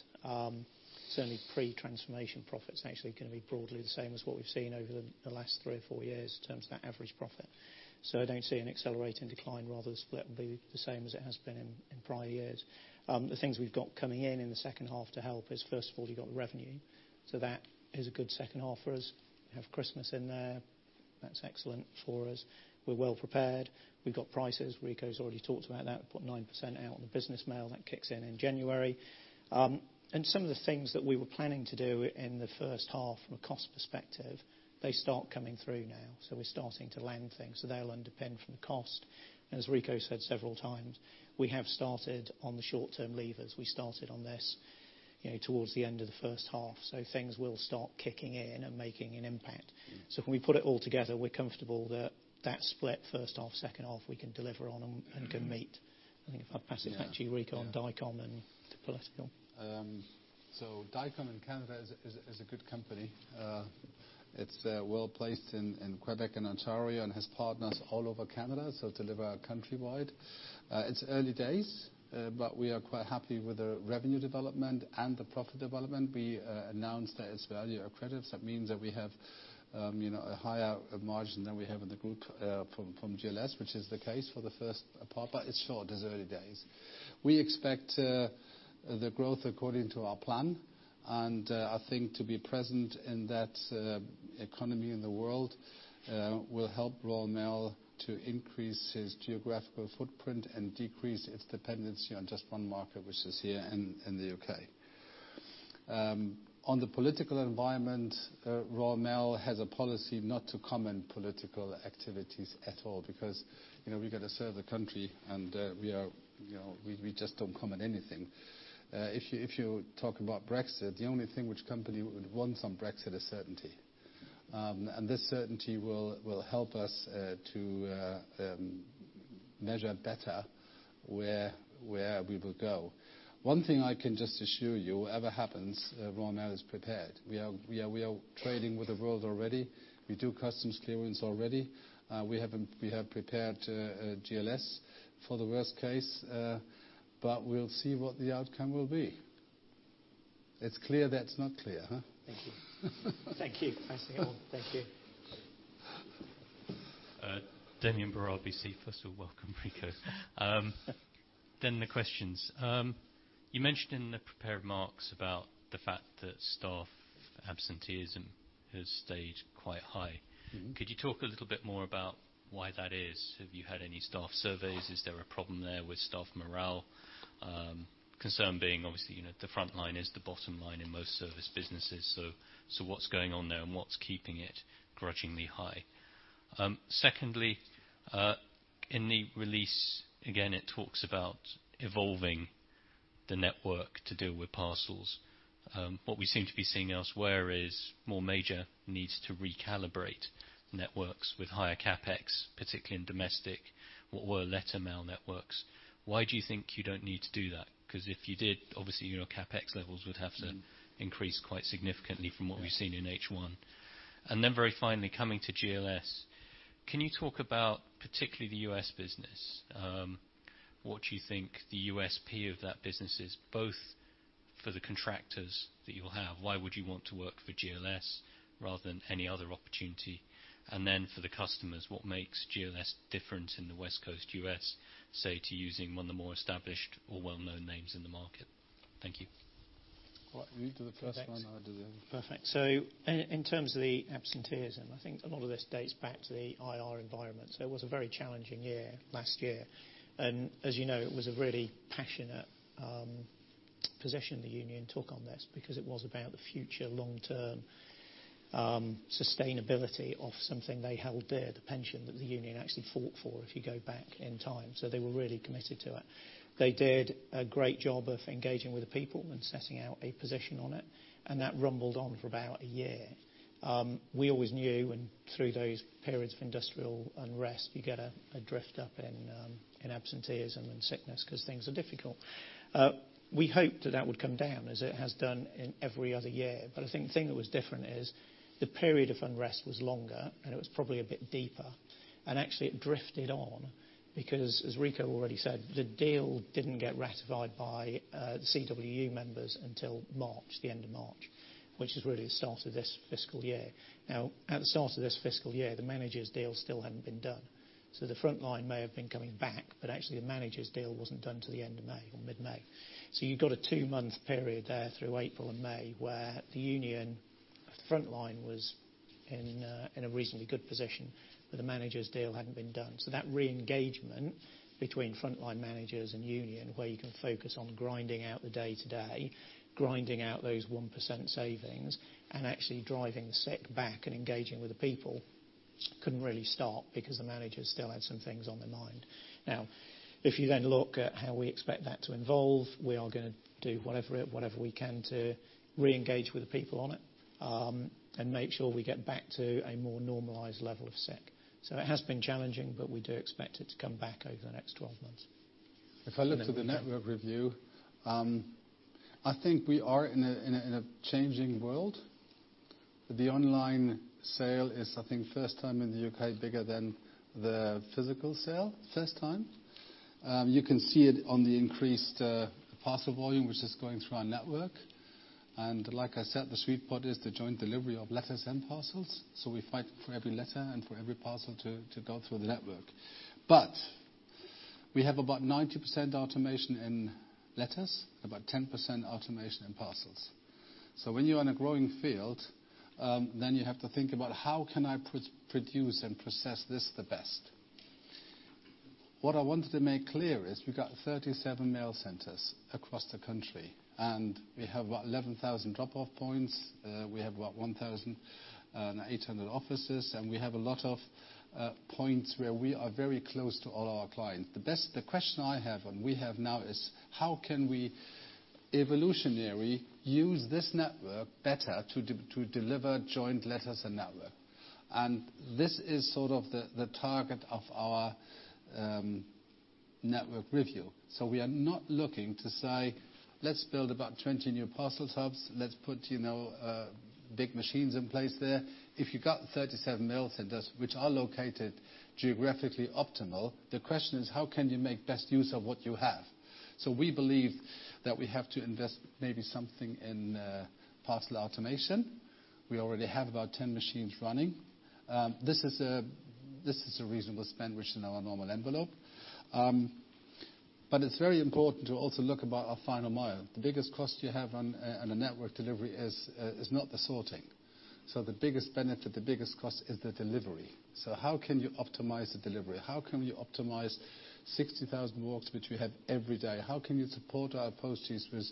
certainly pre-transformation profit's actually going to be broadly the same as what we've seen over the last three or four years in terms of that average profit. I don't see an accelerating decline, rather the split will be the same as it has been in prior years. The things we've got coming in in the second half to help is, first of all, you've got revenue. That is a good second half for us. We have Christmas in there. That's excellent for us. We're well prepared. We've got prices. Rico's already talked about that. We've put 9% out on the business mail, that kicks in in January. Some of the things that we were planning to do in the first half from a cost perspective, they start coming through now. We're starting to land things. They'll underpin from the cost. As Rico said several times, we have started on the short-term levers. We started on this towards the end of the first half. Things will start kicking in and making an impact. When we put it all together, we're comfortable that that split first half, second half, we can deliver on and can meet. I think if I pass you back to you, Rico, on Dicom and to pull us through. Dicom in Canada is a good company. It's well-placed in Quebec and Ontario and has partners all over Canada, so deliver countrywide. It's early days, we are quite happy with the revenue development and the profit development. We announced that it's value accretive. That means that we have a higher margin than we have in the group from GLS, which is the case for the first part, it's short, it's early days. We expect the growth according to our plan. I think to be present in that economy in the world will help Royal Mail to increase its geographical footprint and decrease its dependency on just one market, which is here in the U.K. On the political environment, Royal Mail has a policy not to comment political activities at all because we got to serve the country, we just don't comment anything. If you talk about Brexit, the only thing which company would want on Brexit is certainty. This certainty will help us to measure better where we will go. One thing I can just assure you, whatever happens, Royal Mail is prepared. We are trading with the world already. We do customs clearance already. We have prepared GLS for the worst case. We'll see what the outcome will be. It's clear that it's not clear, huh? Thank you. Thanks to you all. Thank you. Damian Brewer, RBC. First of all, welcome, Rico. The questions. You mentioned in the prepared remarks about the fact that staff absenteeism has stayed quite high. Could you talk a little bit more about why that is? Have you had any staff surveys? Is there a problem there with staff morale? Concern being obviously, the front line is the bottom line in most service businesses. What's going on there and what's keeping it grudgingly high? Secondly, in the release, again, it talks about evolving the network to deal with parcels. What we seem to be seeing elsewhere is more major needs to recalibrate networks with higher CapEx, particularly in domestic, what were letter mail networks. Why do you think you don't need to do that? Because if you did, obviously your CapEx levels would have to increase quite significantly from what we've seen in H1. Then very finally coming to GLS, can you talk about particularly the U.S. business? What do you think the USP of that business is, both for the contractors that you will have, why would you want to work for GLS rather than any other opportunity? For the customers, what makes GLS different in the West Coast U.S., say, to using one of the more established or well-known names in the market? Thank you. Well, you do the first one, I'll do the other. Perfect. In terms of the absenteeism, I think a lot of this dates back to the IR environment. It was a very challenging year last year. As you know, it was a really passionate position the union took on this because it was about the future long-term sustainability of something they held dear, the pension that the union actually fought for, if you go back in time. They were really committed to it. They did a great job of engaging with the people and setting out a position on it, and that rumbled on for about a year. We always knew, through those periods of industrial unrest, you get a drift up in absenteeism and sickness because things are difficult. We hoped that that would come down as it has done in every other year. I think the thing that was different is the period of unrest was longer and it was probably a bit deeper, actually it drifted on because, as Rico already said, the deal didn't get ratified by CWU members until March, the end of March, which is really the start of this fiscal year. At the start of this fiscal year, the managers' deal still hadn't been done. The frontline may have been coming back, actually, the managers' deal wasn't done till the end of May or mid-May. You got a two-month period there through April and May where the union frontline was in a reasonably good position, but the managers' deal hadn't been done. That re-engagement between frontline managers and union, where you can focus on grinding out the day-to-day, grinding out those 1% savings and actually driving sick back and engaging with the people, couldn't really start because the managers still had some things on their mind. If you then look at how we expect that to evolve, we are going to do whatever we can to re-engage with the people on it, and make sure we get back to a more normalized level of sick. It has been challenging, but we do expect it to come back over the next 12 months. If I look to the network review, I think we are in a changing world. The online sale is, I think, first time in the U.K., bigger than the physical sale. First time. You can see it on the increased parcel volume, which is going through our network. Like I said, the sweet spot is the joint delivery of letters and parcels. We fight for every letter and for every parcel to go through the network. We have about 90% automation in letters, about 10% automation in parcels. When you are in a growing field, you have to think about how can I produce and process this the best. What I wanted to make clear is we've got 37 mail centers across the country, and we have what, 11,000 drop-off points. We have what, 1,800 offices, we have a lot of points where we are very close to all our clients. The question I have, and we have now is how can we evolutionary use this network better to deliver joint letters and network? This is sort of the target of our network review. We are not looking to say, "Let's build about 20 new parcel hubs. Let's put big machines in place there." If you've got 37 mail centers which are located geographically optimal, the question is how can you make best use of what you have? We believe that we have to invest maybe something in parcel automation. We already have about 10 machines running. This is a reasonable spend, which is in our normal envelope. It's very important to also look about our final mile. The biggest cost you have on a network delivery is not the sorting. The biggest benefit, the biggest cost is the delivery. How can you optimize the delivery? How can we optimize 60,000 walks, which we have every day? How can you support our posties with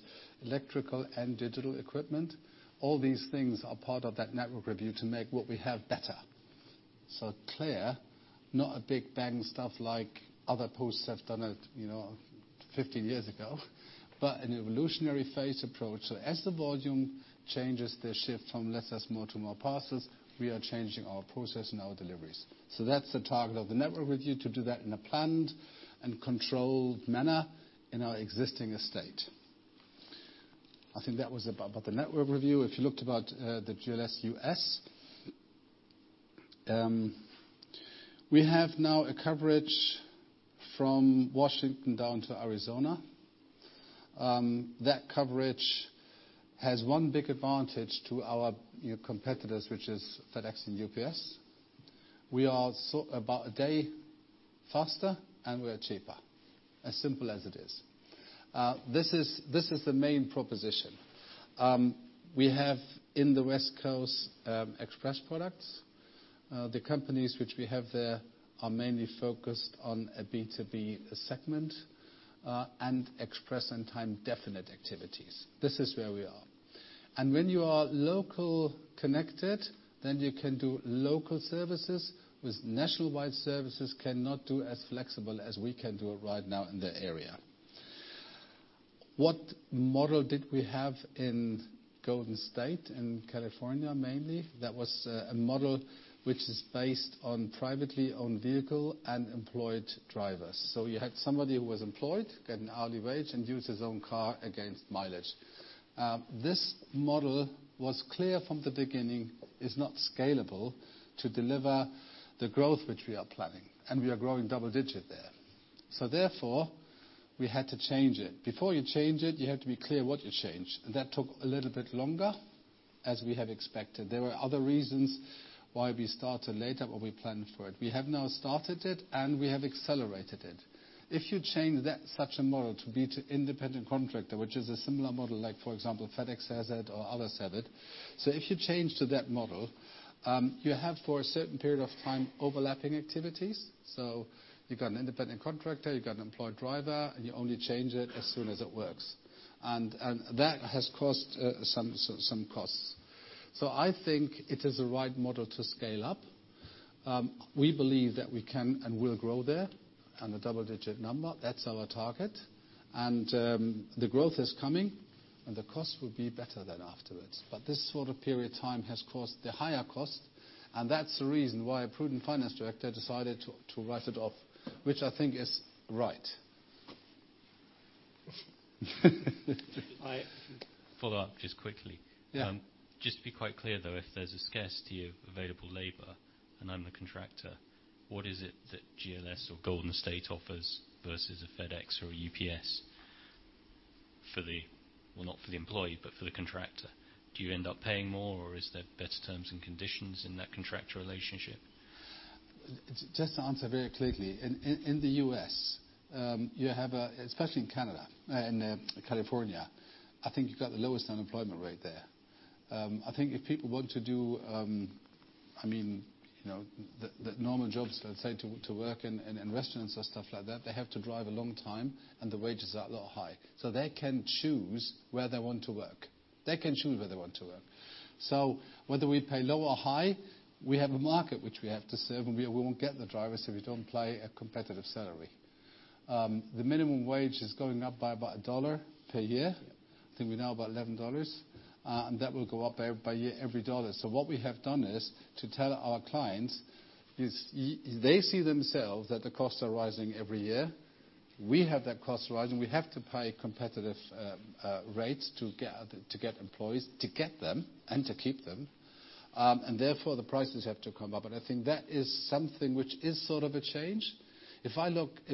electrical and digital equipment? All these things are part of that network review to make what we have better. Clear, not a big bang stuff like other posts have done it 15 years ago, but an evolutionary phase approach. As the volume changes, they shift from letters more to more parcels. We are changing our process and our deliveries. That's the target of the network review, to do that in a planned and controlled manner in our existing estate. I think that was about the network review. If you looked about the GLS US, we have now a coverage from Washington down to Arizona. That coverage has one big advantage to our competitors, which is FedEx and UPS. We are about a day faster, and we are cheaper, as simple as it is. This is the main proposition. We have in the West Coast Express products. The companies which we have there are mainly focused on a B2B segment, and express and time definite activities. This is where we are. When you are local connected, then you can do local services with nationwide services cannot do as flexible as we can do it right now in the area. What model did we have in Golden State, in California, mainly? That was a model which is based on privately owned vehicle and employed drivers. You had somebody who was employed, get an hourly wage, and use his own car against mileage. This model was clear from the beginning, is not scalable to deliver the growth which we are planning, and we are growing double-digit there. Therefore, we had to change it. Before you change it, you have to be clear what you change. That took a little bit longer as we have expected. There were other reasons why we started later, what we planned for it. We have now started it, and we have accelerated it. If you change such a model to be independent contractor, which is a similar model like, for example, FedEx has it or others have it. If you change to that model you have for a certain period of time, overlapping activities. You've got an independent contractor, you've got an employed driver, and you only change it as soon as it works. That has caused some costs. I think it is a right model to scale up. We believe that we can and will grow there, and a double-digit number, that's our target. The growth is coming, and the cost will be better then afterwards. This sort of period of time has caused the higher cost, and that's the reason why a prudent finance director decided to write it off. Which I think is right. Follow up just quickly. Just to be quite clear, though, if there's a scarcity of available labor and I'm the contractor, what is it that GLS or Golden State offers versus a FedEx or a UPS? Not for the employee, but for the contractor. Do you end up paying more, or is there better terms and conditions in that contractor relationship? Just to answer very clearly. In the U.S., especially in Canada and California, I think you've got the lowest unemployment rate there. I think if people want to do the normal jobs, let's say, to work in restaurants or stuff like that, they have to drive a long time, and the wages are a lot high. They can choose where they want to work. Whether we pay low or high, we have a market which we have to serve, and we won't get the drivers if we don't play a competitive salary. The minimum wage is going up by about $1 per year. I think we're now about $11. That will go up by every dollar. What we have done is to tell our clients is, they see themselves that the costs are rising every year. We have that cost rising. We have to pay competitive rates to get employees, to get them and to keep them. Therefore, the prices have to come up. I think that is something which is sort of a change. If I look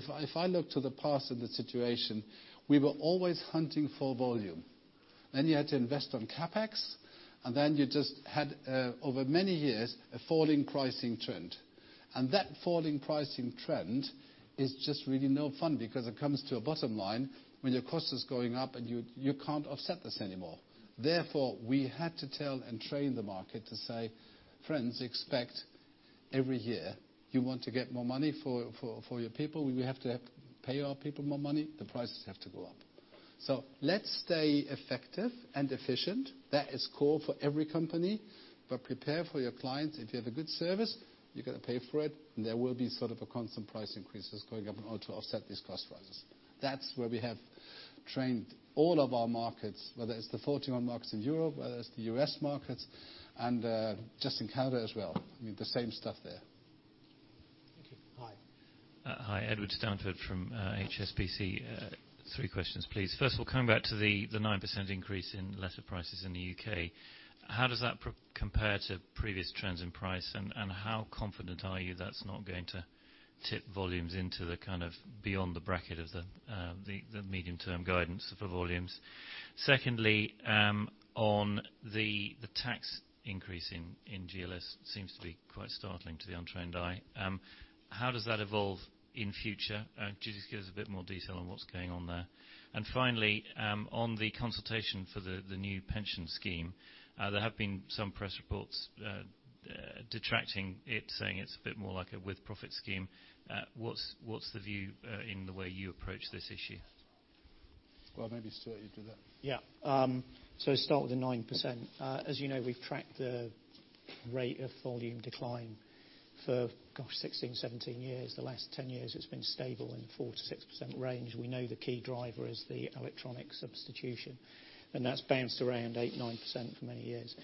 to the past of the situation, we were always hunting for volume. You had to invest on CapEx, and you just had, over many years, a falling pricing trend. That falling pricing trend is just really no fun because it comes to a bottom line when your cost is going up and you can't offset this anymore. Therefore, we had to tell and train the market to say, "Friends, expect every year you want to get more money for your people, we have to pay our people more money. The prices have to go up." Let's stay effective and efficient. That is core for every company. Prepare for your clients. If you have a good service, you got to pay for it. There will be sort of a constant price increases going up in order to offset these cost rises. That's where we have trained all of our markets, whether it's the 41 markets in Europe, whether it's the U.S. markets and just in Canada as well. The same stuff there. Thank you. Hi. Hi. Edward Stanford from HSBC. Three questions, please. First of all, coming back to the 9% increase in letter prices in the U.K. How does that compare to previous trends in price, and how confident are you that's not going to tip volumes into the kind of beyond the bracket of the medium-term guidance for volumes? Secondly, on the tax increase in GLS seems to be quite startling to the untrained eye. How does that evolve in future? Could you just give us a bit more detail on what's going on there? Finally, on the consultation for the new pension scheme. There have been some press reports detracting it, saying it's a bit more like a with-profit scheme. What's the view in the way you approach this issue? Maybe Stuart, you do that. Yeah. Start with the 9%. As you know, we have tracked the rate of volume decline for, gosh, 16, 17 years. The last 10 years it has been stable in the 4%-6% range. We know the key driver is the electronic substitution, and that has bounced around 8%, 9% for many years.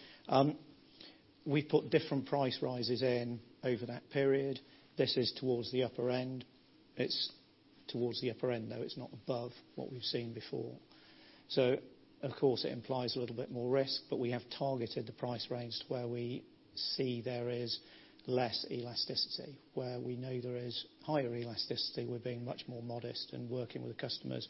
We put different price rises in over that period. This is towards the upper end. It is towards the upper end, though. It is not above what we have seen before. Of course, it implies a little bit more risk, but we have targeted the price range to where we see there is less elasticity. Where we know there is higher elasticity, we are being much more modest and working with the customers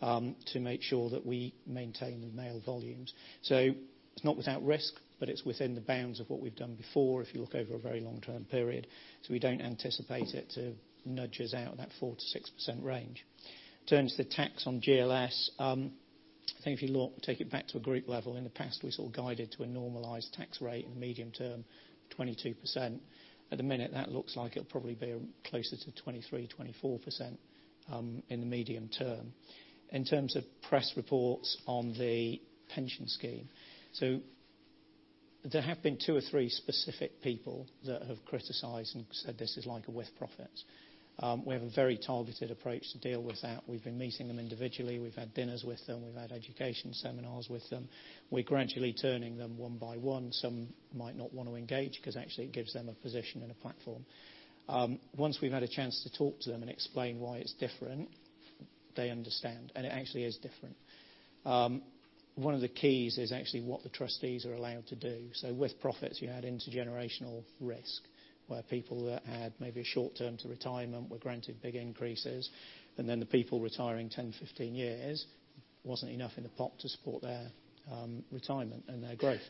to make sure that we maintain the mail volumes. It is not without risk, but it is within the bounds of what we have done before, if you look over a very long-term period. We do not anticipate it to nudge us out of that 4%-6% range. In terms of the tax on GLS, I think if you take it back to a group level, in the past, we sort of guided to a normalized tax rate in the medium term, 22%. At the minute, that looks like it will probably be closer to 23%, 24% in the medium term. In terms of press reports on the pension scheme. There have been two or three specific people that have criticized and said this is like a with-profits. We have a very targeted approach to deal with that. We have been meeting them individually. We have had dinners with them. We have had education seminars with them. We are gradually turning them one by one. Some might not want to engage because actually it gives them a position and a platform. Once we have had a chance to talk to them and explain why it is different, they understand, and it actually is different. One of the keys is actually what the trustees are allowed to do. So with-profits, you had intergenerational risk, where people that had maybe a short term to retirement were granted big increases, and then the people retiring 10, 15 years, was not enough in the pot to support their retirement and their growth.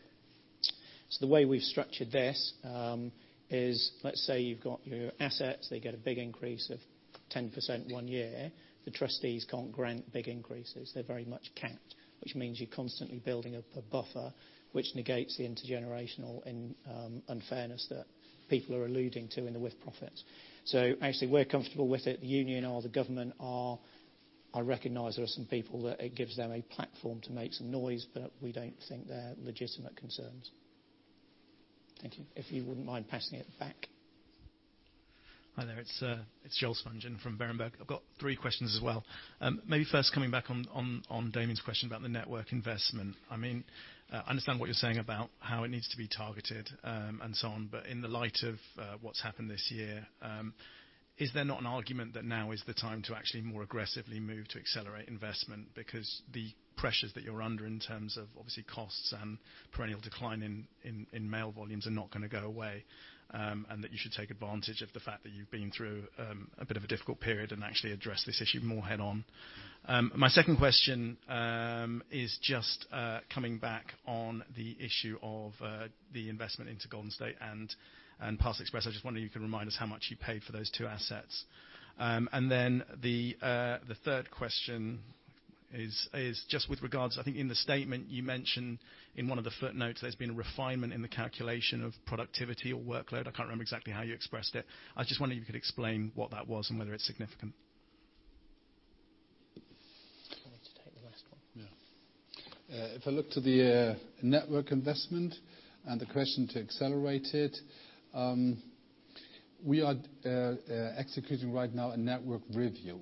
The way we have structured this is, let us say you have got your assets, they get a big increase of 10% one year. The trustees cannot grant big increases. They are very much capped, which means you are constantly building up a buffer, which negates the intergenerational unfairness that people are alluding to in the with-profits. Actually, we are comfortable with it. The union are, the government are. I recognize there are some people that it gives them a platform to make some noise, but we do not think they are legitimate concerns. Thank you. If you would not mind passing it back. Hi there. It's Joel Spungen from Berenberg. I've got three questions as well. First coming back on Damian's question about the network investment. I understand what you're saying about how it needs to be targeted, and so on, but in the light of what's happened this year, is there not an argument that now is the time to actually more aggressively move to accelerate investment because the pressures that you're under in terms of obviously costs and perennial decline in mail volumes are not going to go away, and that you should take advantage of the fact that you've been through a bit of a difficult period and actually address this issue more head on? My second question is just coming back on the issue of the investment into Golden State and Postal Express. I just wonder if you can remind us how much you paid for those two assets. The third question is just with regards, I think in the statement you mentioned in one of the footnotes there's been a refinement in the calculation of productivity or workload. I can't remember exactly how you expressed it. I just wonder if you could explain what that was and whether it's significant. Do you want me to take the last one? Yeah. If I look to the network investment and the question to accelerate it, we are executing right now a network review,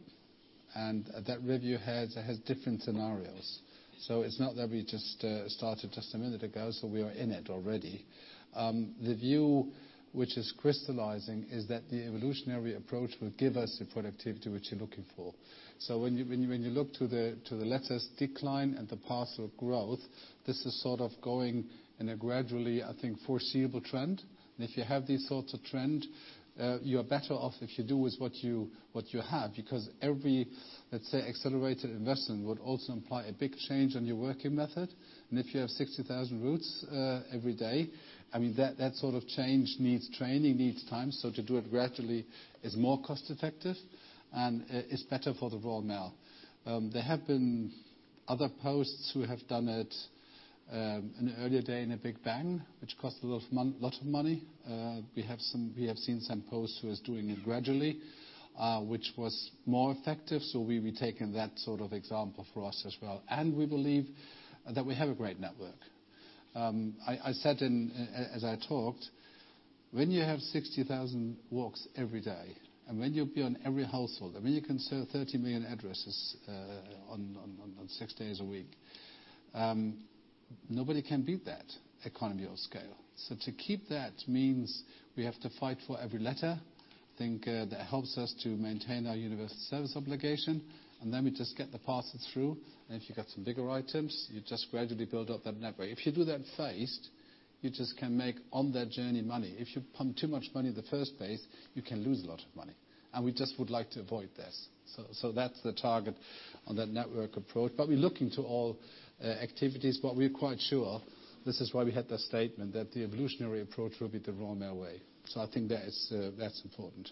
that review has different scenarios. It's not that we just started just a minute ago, we are in it already. The view which is crystallizing is that the evolutionary approach will give us the productivity which you're looking for. When you look to the letters decline and the parcel growth, this is sort of going in a gradually, I think, foreseeable trend. If you have these sorts of trend, you're better off if you do with what you have, because every, let's say, accelerated investment would also imply a big change on your working method. If you have 60,000 routes every day, that sort of change needs training, needs time. To do it gradually is more cost-effective and is better for Royal Mail. There have been other posts who have done it in an earlier day in a big bang, which cost a lot of money. We have seen some posts who are doing it gradually, which was more effective. We will be taking that sort of example for us as well. We believe that we have a great network. I said as I talked, when you have 60,000 walks every day, when you appear in every household, and when you can serve 30 million addresses on six days a week, nobody can beat that economy of scale. To keep that means we have to fight for every letter. I think that helps us to maintain our universal service obligation. We just get the parcels through. If you got some bigger items, you just gradually build up that network. If you do that fast, you just can make on that journey money. If you pump too much money in the first phase, you can lose a lot of money. We just would like to avoid this. That's the target on that network approach. We are looking to all activities, but we are quite sure, this is why we had the statement, that the evolutionary approach will be the Royal Mail way. I think that's important.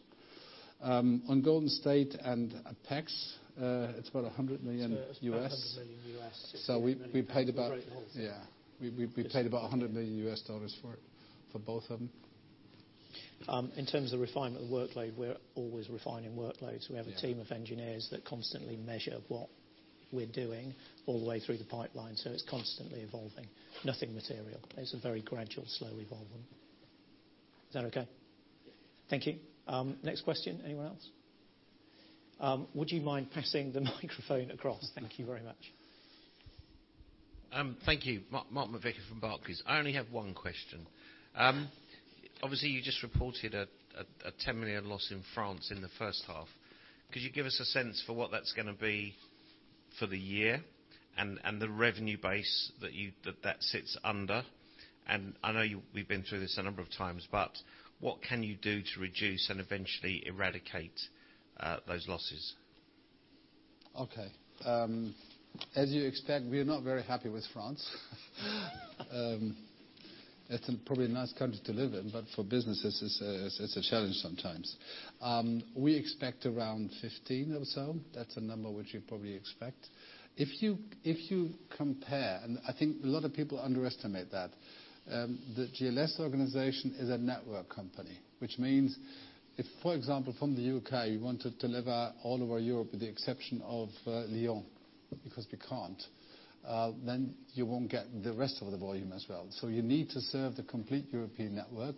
On Golden State and PEX, it is about $100 million. It is about $100 million. We paid about $100 million dollars for both of them. In terms of refinement of the workload, we're always refining workloads. We have a team of engineers that constantly measure what we're doing all the way through the pipeline, so it's constantly evolving. Nothing material. It's a very gradual, slow evolving. Is that okay? Thank you. Next question. Anyone else? Would you mind passing the microphone across? Thank you very much. Thank you. Mark McVicar from Barclays. I only have one question. Obviously, you just reported a 10 million loss in France in the first half. Could you give us a sense for what that's gonna be for the year and the revenue base that that sits under? I know we've been through this a number of times, but what can you do to reduce and eventually eradicate those losses? Okay. As you expect, we are not very happy with France. It's probably a nice country to live in, but for business, it's a challenge sometimes. We expect around 15 or so. That's a number which you probably expect. If you compare, and I think a lot of people underestimate that, the GLS organization is a network company, which means if, for example, from the U.K., you want to deliver all over Europe with the exception of Lyon, because we can't, then you won't get the rest of the volume as well. You need to serve the complete European network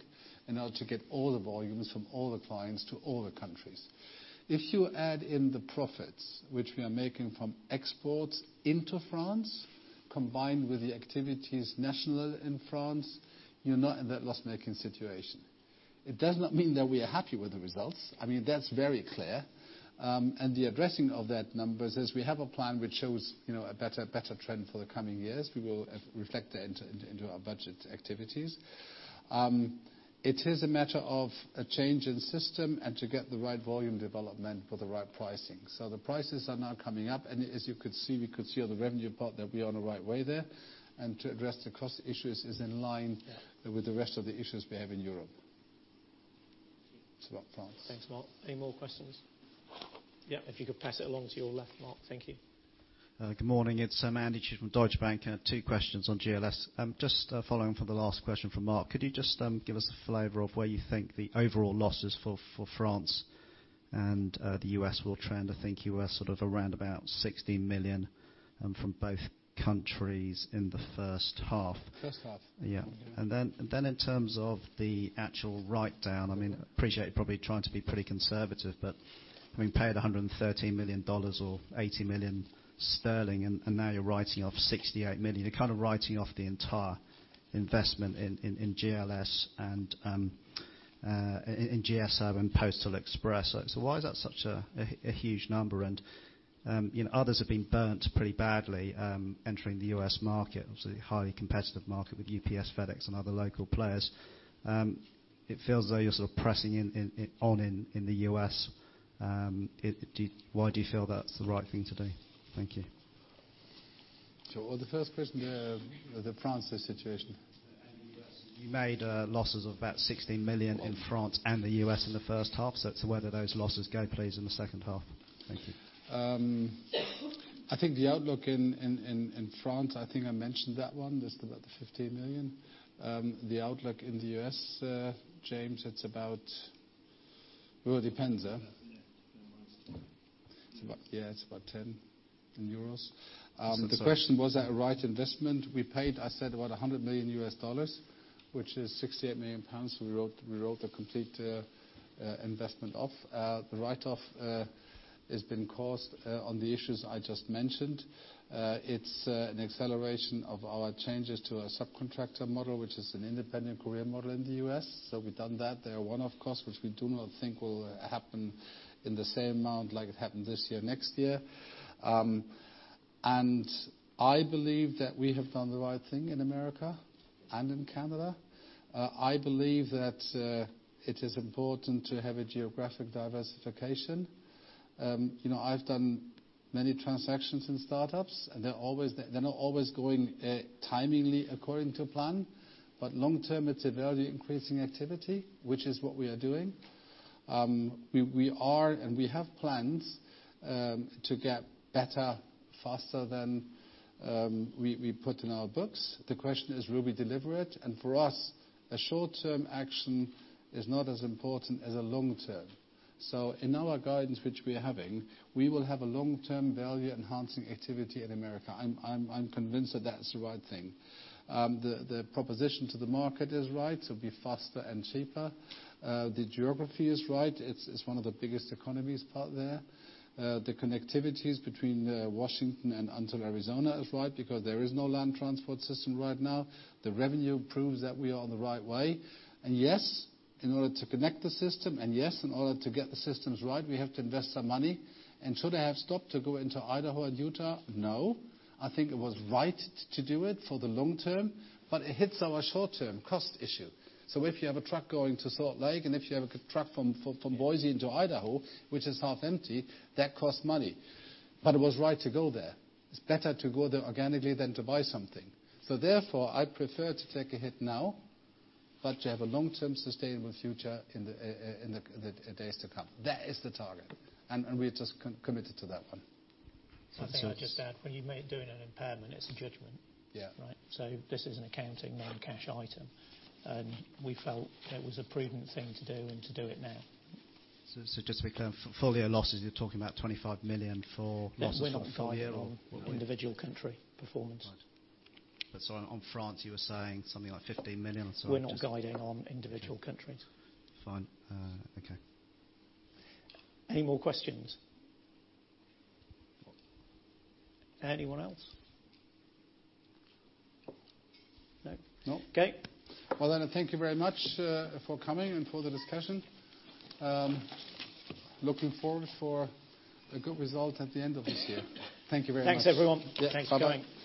in order to get all the volumes from all the clients to all the countries. If you add in the profits which we are making from exports into France, combined with the activities national in France, you're not in that loss-making situation. It does not mean that we are happy with the results. That's very clear. The addressing of that number says we have a plan which shows a better trend for the coming years. We will reflect that into our budget activities. It is a matter of a change in system and to get the right volume development for the right pricing. The prices are now coming up, and as you could see, we could see on the revenue part that we are on the right way there. To address the cost issues is in line with the rest of the issues we have in Europe. That's about France. Thanks, Mark. Any more questions? Yeah. If you could pass it along to your left, Mark. Thank you. Good morning. It's Andy Chu from Deutsche Bank, two questions on GLS. Following from the last question from Mark, could you give us a flavor of where you think the overall losses for France and the U.S. will trend? I think you were around about 16 million from both countries in the first half. First half. Yeah. Then in terms of the actual write-down, I appreciate you're probably trying to be pretty conservative, having paid $130 million or 80 million sterling, and now you're writing off 68 million. You're kind of writing off the entire investment in GLS and in GSO and Postal Express. Why is that such a huge number? Others have been burnt pretty badly entering the U.S. market. Obviously, a highly competitive market with UPS, FedEx, and other local players. It feels as though you're sort of pressing on in the U.S. Why do you feel that's the right thing to do? Thank you. Sure. Well, the first question, the France situation. The U.S. You made losses of about 16 million in France and the U.S. in the first half. Where do those losses go, please, in the second half? Thank you. I think the outlook in France, I think I mentioned that one. That's about the 15 million. The outlook in the U.S., James, it's about Well, it depends. Yeah, it's about 10 euros. The question, was that a right investment? We paid, I said, about $100 million, which is 68 million pounds. We wrote the complete investment off. The write-off has been caused on the issues I just mentioned. It's an acceleration of our changes to an independent contractor model, which is an independent contractor model in the U.S. We've done that. They are one-off costs, which we do not think will happen in the same amount like it happened this year next year. I believe that we have done the right thing in America and in Canada. I believe that it is important to have a geographic diversification. I've done many transactions in startups, and they're not always going timely according to plan. Long term, it's a value increasing activity, which is what we are doing. We are, and we have plans to get better faster than we put in our books. The question is, will we deliver it? For us, a short-term action is not as important as a long term. In our guidance which we are having, we will have a long-term value enhancing activity in America. I'm convinced that that's the right thing. The proposition to the market is right. It'll be faster and cheaper. The geography is right. It's one of the biggest economies part there. The connectivity between Washington and unto Arizona is right because there is no land transport system right now. The revenue proves that we are on the right way. Yes, in order to connect the system, yes, in order to get the systems right, we have to invest some money. Should I have stopped to go into Idaho and Utah? No. I think it was right to do it for the long term, it hits our short-term cost issue. If you have a truck going to Salt Lake, and if you have a truck from Boise into Idaho, which is half empty, that costs money. It was right to go there. It's better to go there organically than to buy something. Therefore, I prefer to take a hit now, but to have a long-term sustainable future in the days to come. That is the target, and we're just committed to that one. If I could just add, when you make doing an impairment, it's a judgment. Right. This is an accounting non-cash item. We felt it was a prudent thing to do and to do it now. Just to be clear, for full-year losses, you're talking about 25 million full-year or what were you? No, we're not guiding individual country performance. On France, you were saying something like 15 million or something. We're not guiding on individual countries. Fine. Okay. Any more questions? Anyone else? No. No. Okay. Well thank you very much for coming and for the discussion. Looking forward for a good result at the end of this year. Thank you very much. Thanks, everyone. Yeah. Bye-bye.